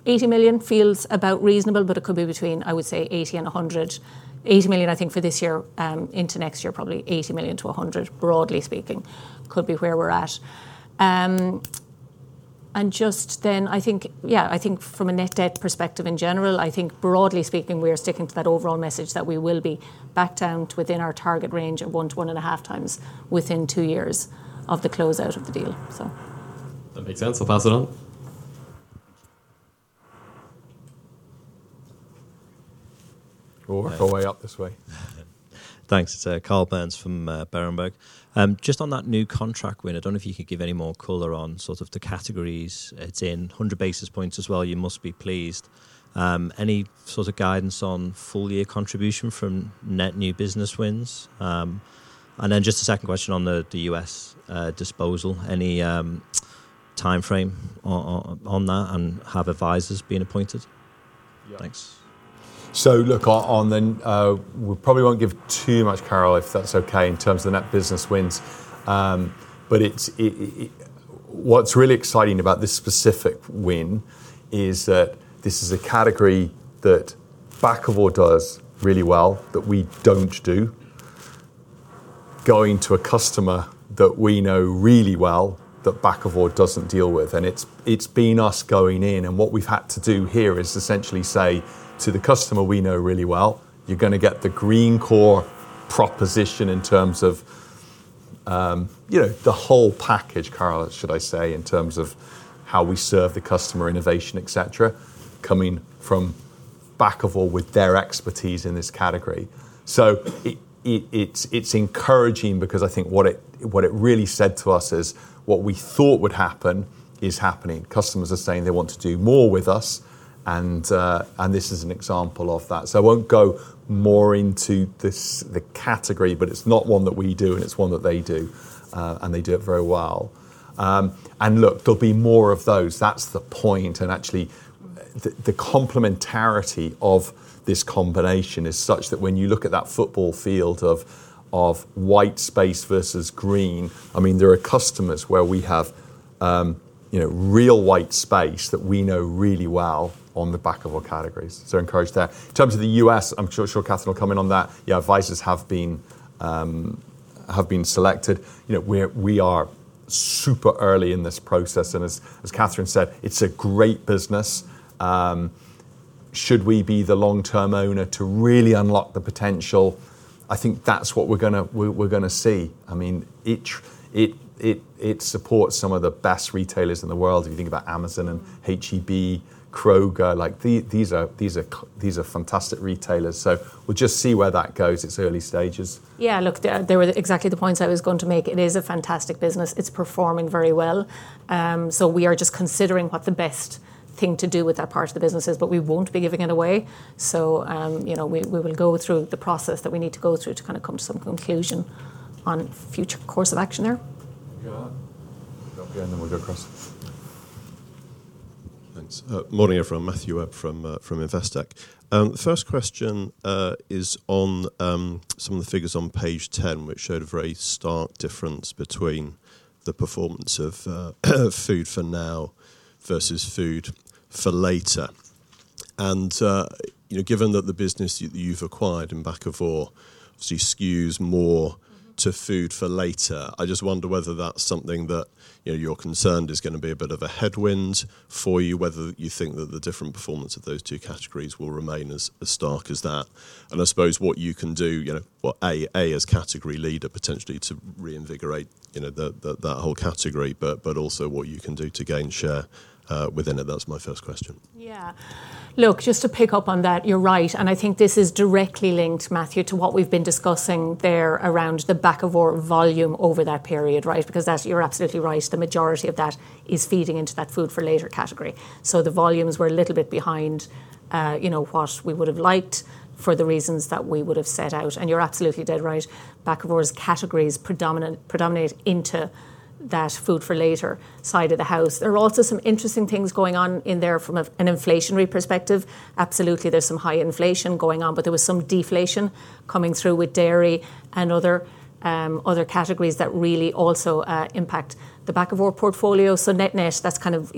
80 million feels about reasonable, but it could be between 80 million and 100 million. 80 million, I think for this year into next year, probably 80 million-100 million, broadly speaking, could be where we're at. I think from a net debt perspective in general, I think broadly speaking, we are sticking to that overall message that we will be back down to within our target range of one to one and a half times within two years of the closeout of the deal. That makes sense. I'll pass it on. We'll work our way up this way. Thanks. It is Karl Burns from Berenberg. Just on that new contract win, I do not know if you could give any more color on sort of the categories it is in. 100 basis points as well, you must be pleased. Any sort of guidance on full year contribution from net new business wins? Just a second question on the U.S. disposal. Any timeframe on that, and have advisors been appointed? Yeah. Thanks. Look, we probably won't give too much, Karl, if that's okay, in terms of the net business wins. What's really exciting about this specific win is that this is a category that Bakkavor does really well, that we don't do, going to a customer that we know really well that Bakkavor doesn't deal with. It's been us going in, and what we've had to do here is essentially say to the customer we know really well, "You're going to get the Greencore proposition in terms of the whole package," Karl, should I say, in terms of how we serve the customer, innovation, etc., coming from Bakkavor with their expertise in this category. It's encouraging because I think what it really said to us is what we thought would happen is happening. Customers are saying they want to do more with us, and this is an example of that. I won't go more into the category, but it's not one that we do, and it's one that they do. They do it very well. Look, there'll be more of those. That's the point, and actually, the complementarity of this combination is such that when you look at that football field of white space versus green, there are customers where we have real white space that we know really well on the Bakkavor categories. Encouraged there. In terms of the U.S., I'm sure Catherine will come in on that. Yeah, advisors have been selected. We are super early in this process, and as Catherine said, it's a great business. Should we be the long-term owner to really unlock the potential? I think that's what we're going to see. It supports some of the best retailers in the world. You think about Amazon and H-E-B, Kroger, these are fantastic retailers. We'll just see where that goes. It's early stages. Yeah, look, they were exactly the points I was going to make. It is a fantastic business. It's performing very well. We are just considering what the best thing to do with that part of the business is, but we won't be giving it away. We will go through the process that we need to go through to kind of come to some conclusion on future course of action there. Yeah. Okay, we'll go across. Thanks. Morning, everyone. Matthew Webb from Investec. First question is on some of the figures on page 10, which showed a very stark difference between the performance of Food for Now versus Food for Later. Given that the business that you've acquired in Bakkavor obviously skews more to Food for Later, I just wonder whether that's something that you're concerned is going to be a bit of a headwind for you, whether you think that the different performance of those two categories will remain as stark as that. I suppose what you can do, well, A, as category leader potentially to reinvigorate that whole category, but also what you can do to gain share within it. That's my first question. Yeah. Look, just to pick up on that, you're right. I think this is directly linked, Matthew, to what we've been discussing there around the Bakkavor volume over that period, right? That's, you're absolutely right. The majority of that is feeding into that Food for Later category. The volumes were a little bit behind what we would have liked for the reasons that we would have set out. You're absolutely dead right. Bakkavor's category is predominant into that Food for Later side of the house. There are also some interesting things going on in there from an inflationary perspective. Absolutely, there's some high inflation going on, but there was some deflation coming through with dairy and other categories that really also impact the Bakkavor portfolio. Net, that's kind of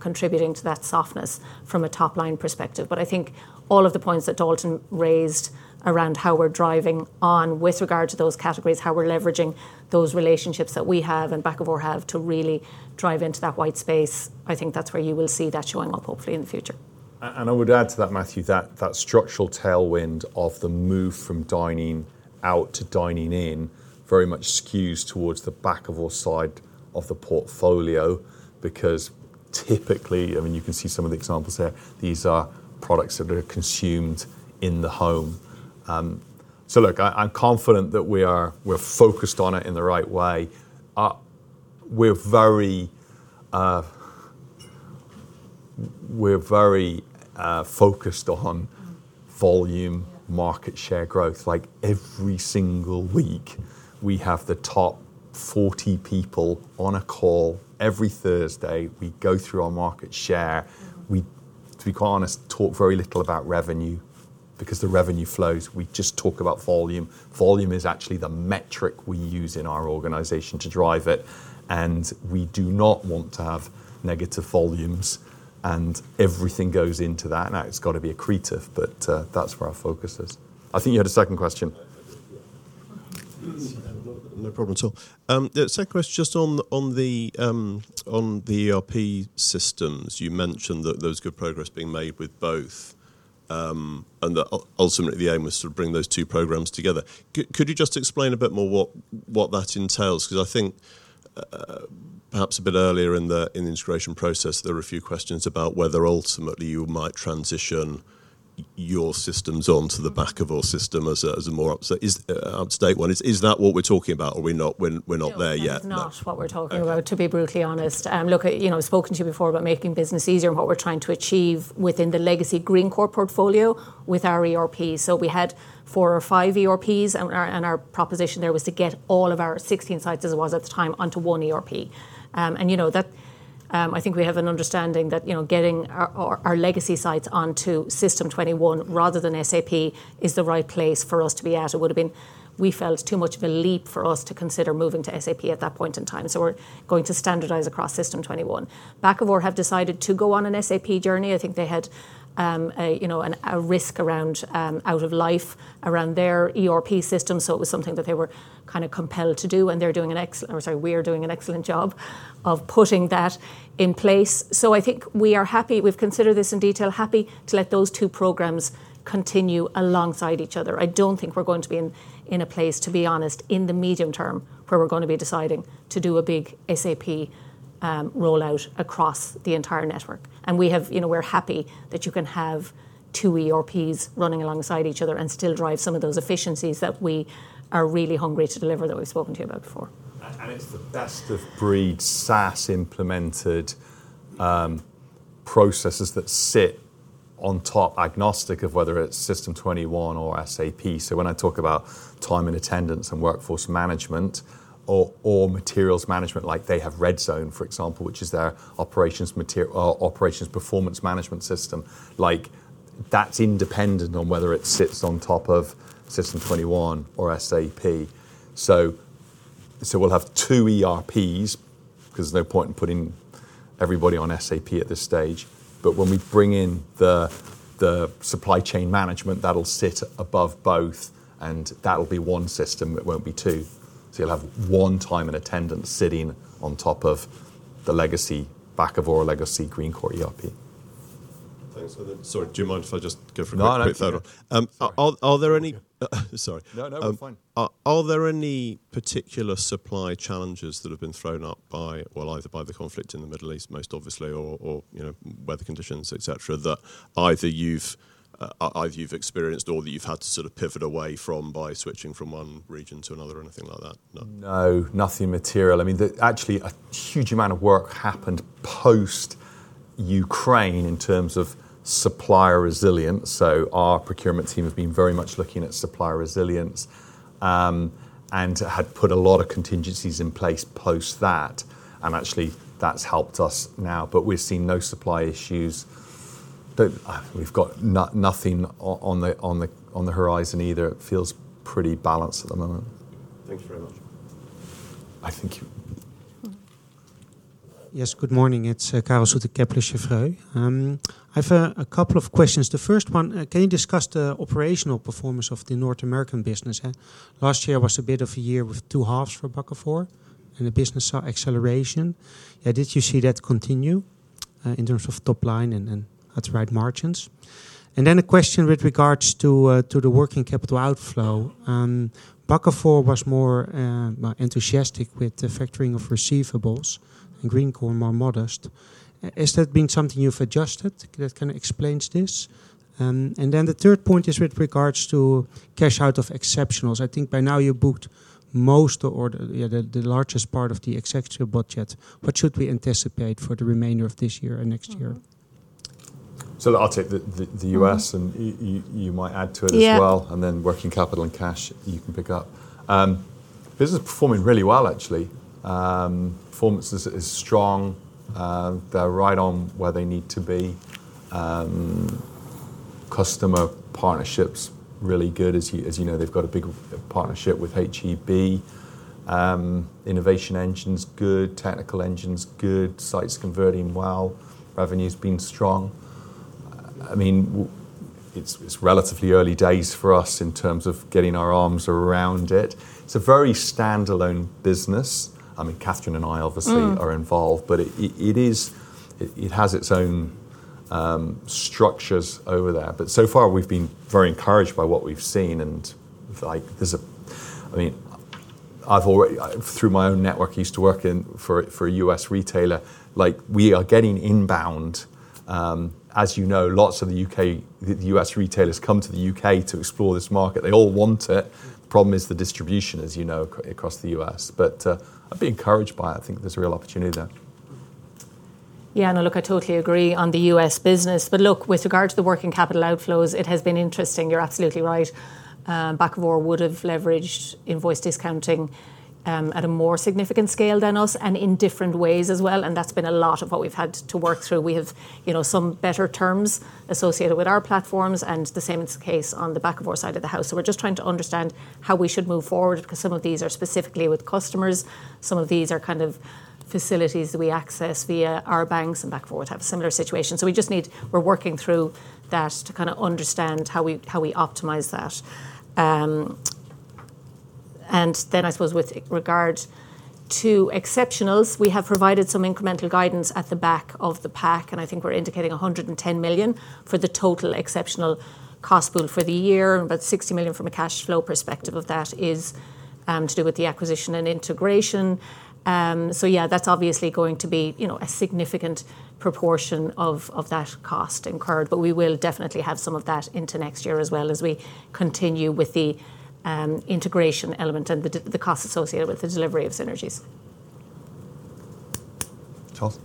contributing to that softness from a top-line perspective. I think all of the points that Dalton raised around how we're driving on with regard to those categories, how we're leveraging those relationships that we have and Bakkavor have to really drive into that white space, I think that's where you will see that showing up hopefully in the future. I would add to that, Matthew, that structural tailwind of the move from dining out to dining in very much skews towards the Bakkavor side of the portfolio. Typically, you can see some of the examples there, these are products that are consumed in the home. Look, I'm confident that we're focused on it in the right way. We're very focused on volume market share growth. Every single week, we have the top 40 people on a call. Every Thursday, we go through our market share. To be quite honest, talk very little about revenue because the revenue flows, we just talk about volume. Volume is actually the metric we use in our organization to drive it, and we do not want to have negative volumes, and everything goes into that. It's got to be accretive, but that's where our focus is. I think you had a second question. Yeah. No problem at all. Second question just on the ERP systems. You mentioned that there was good progress being made with both, and that ultimately the aim is to bring those two programs together. Could you just explain a bit more what that entails? I think perhaps a bit earlier in the integration process, there were a few questions about whether ultimately you might transition your systems onto the Bakkavor system as a more up-to-date one. Is that what we're talking about? Are we not there yet? No, that's not what we're talking about, to be brutally honest. Look, I've spoken to you before about Making Business Easier and what we're trying to achieve within the legacy Greencore portfolio with our ERP. We had four or five ERPs, and our proposition there was to get all of our 16 sites as it was at the time onto one ERP. I think we have an understanding that getting our legacy sites onto System21 rather than SAP is the right place for us to be at, or would have been, we felt, too much of a leap for us to consider moving to SAP at that point in time. We're going to standardize across System21. Bakkavor have decided to go on an SAP journey. I think they had a risk around out of life around their ERP system. It was something that they were kind of compelled to do, and we're doing an excellent job of putting that in place. I think we are happy. We've considered this in detail, happy to let those two programs continue alongside each other. I don't think we're going to be in a place, to be honest, in the medium term, where we're going to be deciding to do a big SAP rollout across the entire network. We're happy that you can have two ERPs running alongside each other and still drive some of those efficiencies that we are really hungry to deliver that we've spoken to you about before. It's the best of breed SaaS implemented processes that sit on top agnostic of whether it's System21 or SAP. When I talk about time and attendance and workforce management or materials management, like they have Redzone, for example, which is their operations performance management system. That's independent on whether it sits on top of System21 or SAP. We'll have two ERPs because there's no point in putting everybody on SAP at this stage. When we bring in the supply chain management, that'll sit above both, and that'll be one system. It won't be two. You'll have one time and attendance sitting on top of the legacy Bakkavor or legacy Greencore ERP. Thanks for that. Sorry, do you mind if I just go for a quick photo? No, I don't mind. Sorry. No, we are fine. Are there any particular supply challenges that have been thrown up by, well, either by the conflict in the Middle East, most obviously, or weather conditions, et cetera, that either you've experienced or that you've had to sort of pivot away from by switching from one region to another or anything like that? No. No, nothing material. Actually, a huge amount of work happened post Ukraine in terms of supplier resilience. Our procurement team have been very much looking at supplier resilience, and had put a lot of contingencies in place post that, and actually that's helped us now. We've seen no supply issues. We've got nothing on the horizon either. It feels pretty balanced at the moment. Thank you very much. Thank you. Yes, good morning. It's Karel Zoete, Kepler Cheuvreux. I have a couple of questions. The first one, can you discuss the operational performance of the North American business? Last year was a bit of a year with two halves for Bakkavor and the business saw acceleration. Did you see that continue in terms of top line and at the right margins? A question with regards to the working capital outflow. Bakkavor was more enthusiastic with the factoring of receivables and Greencore more modest. Has that been something you've adjusted that kind of explains this? The third point is with regards to cash out of exceptionals. I think by now you booked most or the largest part of the exceptional budget. What should we anticipate for the remainder of this year and next year? I'll take the U.S., and you might add to it as well. Yeah. Working capital and cash you can pick up. Business is performing really well, actually. Performance is strong. They're right on where they need to be. Customer partnerships really good. As you know, they've got a big partnership with H-E-B. Innovation engine's good. Technical engine's good. Site's converting well. Revenue's been strong. It's relatively early days for us in terms of getting our arms around it. It's a very standalone business. Catherine and I obviously are involved, but it has its own structures over there. So far, we've been very encouraged by what we've seen, and through my own network, used to work for a U.S. retailer. We are getting inbound. As you know, lots of the U.S. retailers come to the U.K. to explore this market. They all want it. The problem is the distribution, as you know, across the U.S. I'd be encouraged by it. I think there's a real opportunity there. Look, I totally agree on the U.S. business. Look, with regard to the working capital outflows, it has been interesting. You're absolutely right. Bakkavor would have leveraged invoice discounting at a more significant scale than us and in different ways as well, and that's been a lot of what we've had to work through. We have some better terms associated with our platforms and the same is the case on the Bakkavor side of the house. We're just trying to understand how we should move forward because some of these are specifically with customers, some of these are kind of facilities that we access via our banks, and Bakkavor would have a similar situation. We're working through that to kind of understand how we optimize that. I suppose with regard to exceptionals, we have provided some incremental guidance at the back of the pack, and I think we're indicating 110 million for the total exceptional cost pool for the year. About 60 million from a cash flow perspective of that is to do with the acquisition and integration. That's obviously going to be a significant proportion of that cost incurred, but we will definitely have some of that into next year as well as we continue with the integration element and the costs associated with the delivery of synergies. Charles.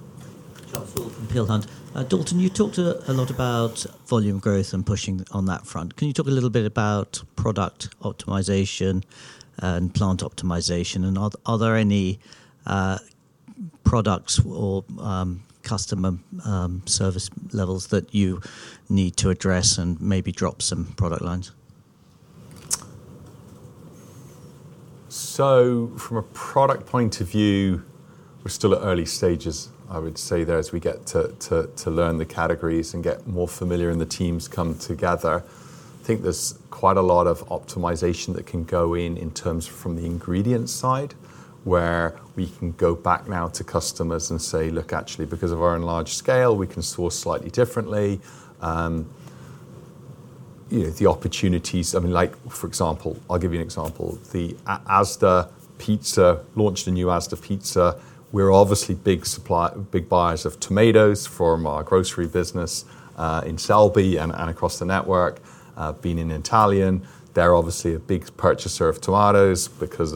Charles Ward from Peel Hunt. Dalton, you talked a lot about volume growth and pushing on that front. Can you talk a little bit about product optimization and plant optimization? Are there any products or customer service levels that you need to address and maybe drop some product lines? From a product point of view, we're still at early stages, I would say there. As we get to learn the categories and get more familiar and the teams come together, I think there's quite a lot of optimization that can go in in terms from the ingredient side, where we can go back now to customers and say, "Look, actually, because of our enlarged scale, we can source slightly differently." I'll give you an example. Launched a new Asda pizza. We're obviously big buyers of tomatoes from our grocery business in Selby and across the network. Being an Italian, they're obviously a big purchaser of tomatoes because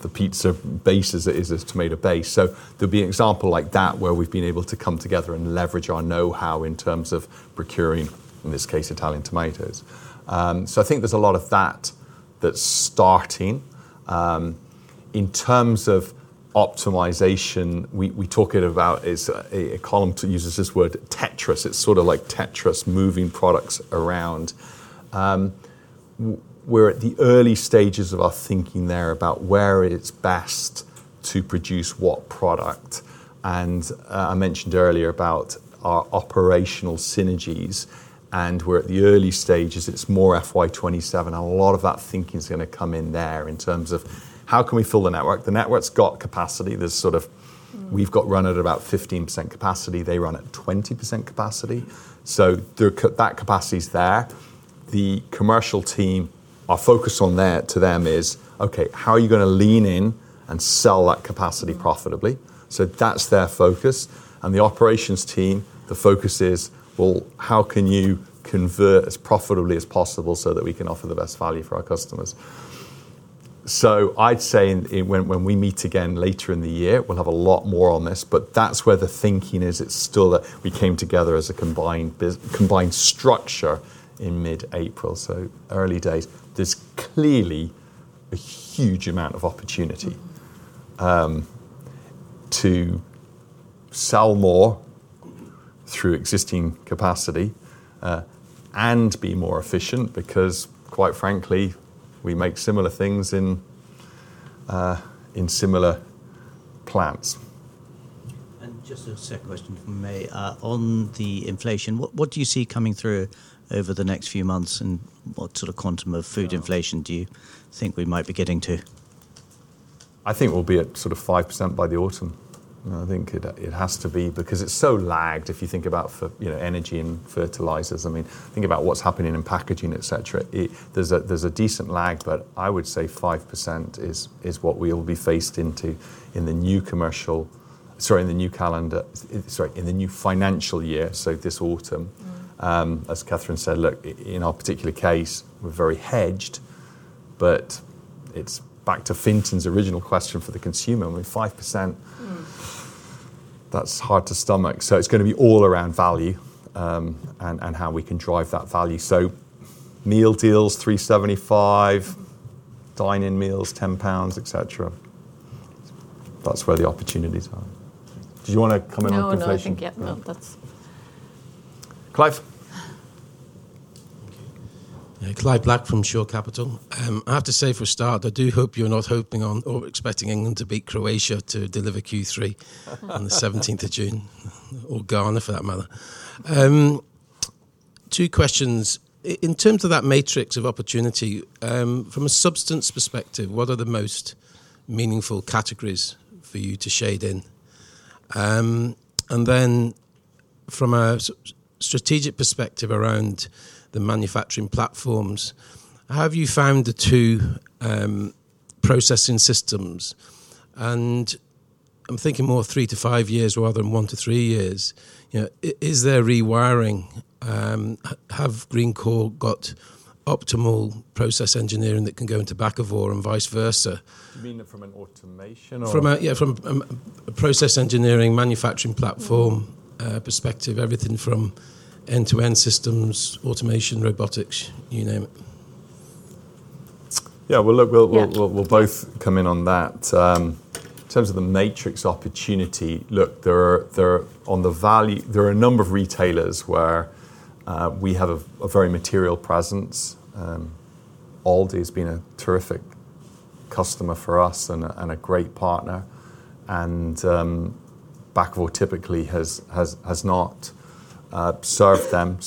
the pizza base is a tomato base. There'd be an example like that where we've been able to come together and leverage our knowhow in terms of procuring, in this case, Italian tomatoes. I think there's a lot of that that's starting. In terms of optimization, we talk it about as, Colin uses this word, Tetris. It's sort of like Tetris, moving products around. We're at the early stages of our thinking there about where it's best to produce what product. I mentioned earlier about our operational synergies and we're at the early stages, it's more FY 2027. A lot of that thinking is going to come in there in terms of how can we fill the network. The network's got capacity. We've got run at about 15% capacity. They run at 20% capacity. That capacity's there. The commercial team, our focus on there to them is, okay, how are you going to lean in and sell that capacity profitably? That's their focus. The operations team, the focus is, well, how can you convert as profitably as possible so that we can offer the best value for our customers? I'd say when we meet again later in the year, we'll have a lot more on this, but that's where the thinking is. We came together as a combined structure in mid-April. Early days. There's clearly a huge amount of opportunity to sell more through existing capacity, and be more efficient because, quite frankly, we make similar things in similar plants. Just a second question, if I may. On the inflation, what do you see coming through over the next few months and what sort of quantum of food inflation do you think we might be getting to? I think we'll be at 5% by the autumn. I think it has to be because it's so lagged if you think about energy and fertilizers. Think about what's happening in packaging, et cetera. There's a decent lag, but I would say 5% is what we'll be faced into in the new financial year, so this autumn. As Catherine said, look, in our particular case, we're very hedged, but it's back to Fintan's original question for the consumer. I mean, 5%, that's hard to stomach. It's going to be all around value, and how we can drive that value. Meal deals, 3.75, dine-in meals, 10 pounds, et cetera. That's where the opportunities are. Do you want to come in on inflation? No, I think, yeah, no, that's. Clive. Clive Black from Shore Capital. I have to say for a start, I do hope you're not hoping on or expecting England to beat Croatia to deliver Q3 on the 17th of June, or Ghana for that matter. Two questions. In terms of that matrix of opportunity, from a substance perspective, what are the most meaningful categories for you to shade in? Then from a strategic perspective around the manufacturing platforms, how have you found the two processing systems? I'm thinking more three to five years rather than one to three years. Is there rewiring? Have Greencore got optimal process engineering that can go into Bakkavor and vice versa? Do you mean from an automation or- From a process engineering, manufacturing platform perspective, everything from end-to-end systems, automation, robotics, you name it. Yeah. Well, look, we'll both come in on that. In terms of the matrix opportunity, look, on the value, there are a number of retailers where we have a very material presence. Aldi has been a terrific customer for us and a great partner. Bakkavor typically has not served them.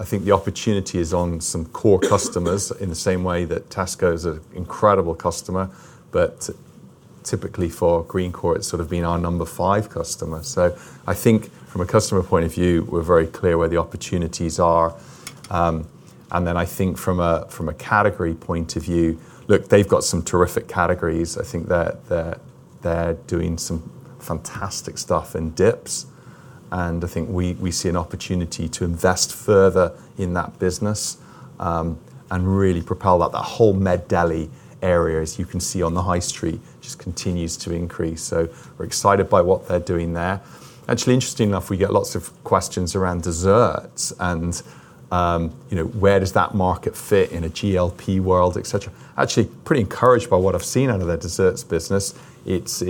I think the opportunity is on some core customers in the same way that Tesco is an incredible customer, but typically for Greencore, it's sort of been our number five customer. I think from a category point of view, look, they've got some terrific categories. I think that they're doing some fantastic stuff in dips, and I think we see an opportunity to invest further in that business, and really propel that. That whole made deli area, as you can see on the high street, just continues to increase. We're excited by what they're doing there. Actually, interestingly enough, we get lots of questions around desserts and where does that market fit in a GLP world, et cetera. Actually, pretty encouraged by what I've seen out of their desserts business. It's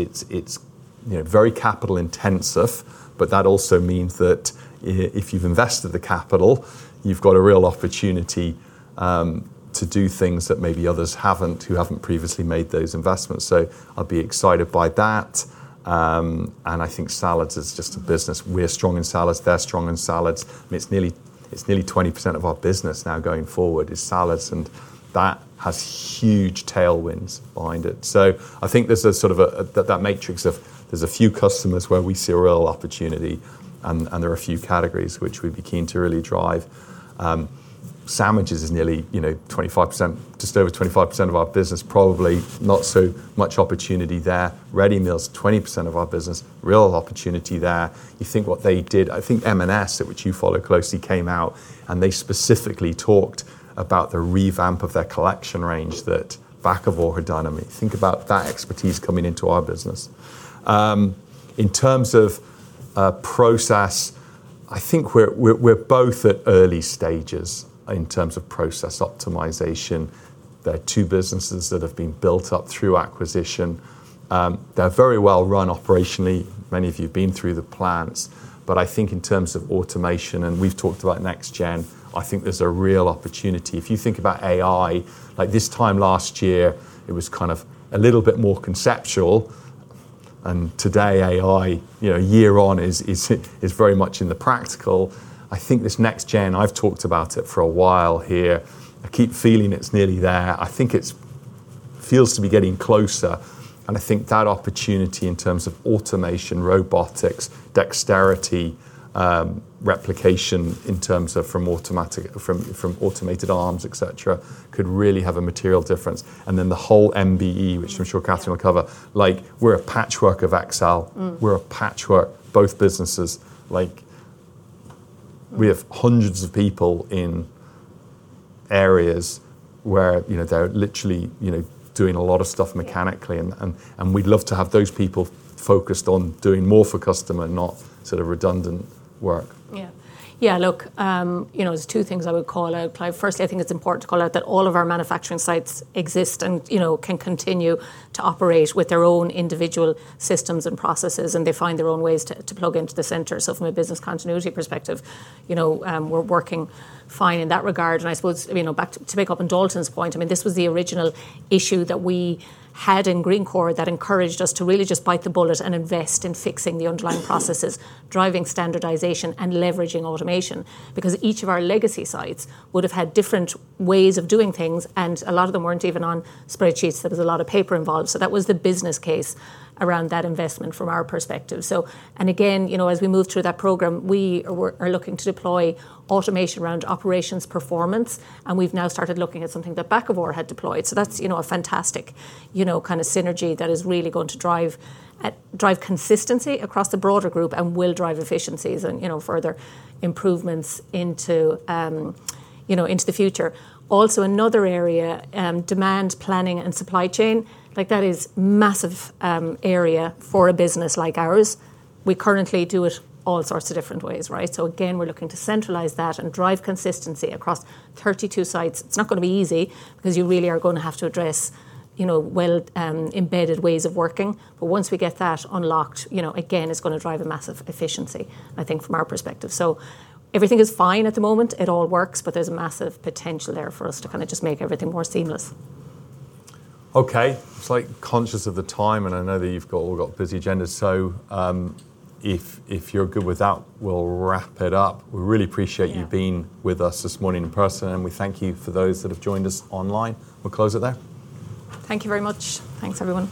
very capital intensive, but that also means that if you've invested the capital, you've got a real opportunity to do things that maybe others haven't, who haven't previously made those investments. I'd be excited by that. I think salads is just a business. We're strong in salads. They're strong in salads. I mean, it's nearly 20% of our business now going forward is salads, and that has huge tailwinds behind it. I think there's that matrix of, there's a few customers where we see a real opportunity, and there are a few categories which we'd be keen to really drive. Sandwiches is nearly just over 25% of our business, probably not so much opportunity there. Ready meals, 20% of our business, real opportunity there. You think what they did, I think M&S, which you follow closely, came out and they specifically talked about the revamp of their Collection range that Bakkavor had done. I mean, think about that expertise coming into our business. In terms of process, I think we're both at early stages in terms of process optimization. They're two businesses that have been built up through acquisition. They're very well run operationally. Many of you have been through the plants. I think in terms of automation, and we've talked about next gen, I think there's a real opportunity. If you think about AI, like this time last year, it was kind of a little bit more conceptual. Today, AI, year on is very much in the practical. I think this next gen, I've talked about it for a while here. I keep feeling it's nearly there. I think it feels to be getting closer, and I think that opportunity in terms of automation, robotics, dexterity, replication in terms of from automated arms, et cetera, could really have a material difference. Then the whole MBE, which I'm sure Catherine will cover, we're a patchwork of Excel. We're a patchwork, both businesses. We have hundreds of people in areas where they're literally doing a lot of stuff mechanically, and we'd love to have those people focused on doing more for customer, not redundant work. Yeah. Look, there's two things I would call out, Clive. Firstly, I think it's important to call out that all of our manufacturing sites exist and can continue to operate with their own individual systems and processes, and they find their own ways to plug into the center. From a business continuity perspective, we're working fine in that regard. I suppose, to pick up on Dalton's point, this was the original issue that we had in Greencore that encouraged us to really just bite the bullet and invest in fixing the underlying processes, driving standardization and leveraging automation. Each of our legacy sites would've had different ways of doing things, and a lot of them weren't even on spreadsheets. There was a lot of paper involved. That was the business case around that investment from our perspective. Again, as we move through that program, we are looking to deploy automation around operations performance, and we've now started looking at something that Bakkavor had deployed. That's a fantastic kind of synergy that is really going to drive consistency across the broader group and will drive efficiencies and further improvements into the future. Also, another area, demand planning and supply chain. That is massive area for a business like ours. We currently do it all sorts of different ways, right? Again, we're looking to centralize that and drive consistency across 32 sites. It's not going to be easy because you really are going to have to address well-embedded ways of working. Once we get that unlocked, again, it's going to drive a massive efficiency, I think, from our perspective. Everything is fine at the moment. It all works. There's a massive potential there for us to kind of just make everything more seamless. Okay. Just conscious of the time, and I know that you've all got busy agendas. If you're good with that, we'll wrap it up. We really appreciate you being with us this morning in person, and we thank you for those that have joined us online. We'll close it there. Thank you very much. Thanks, everyone.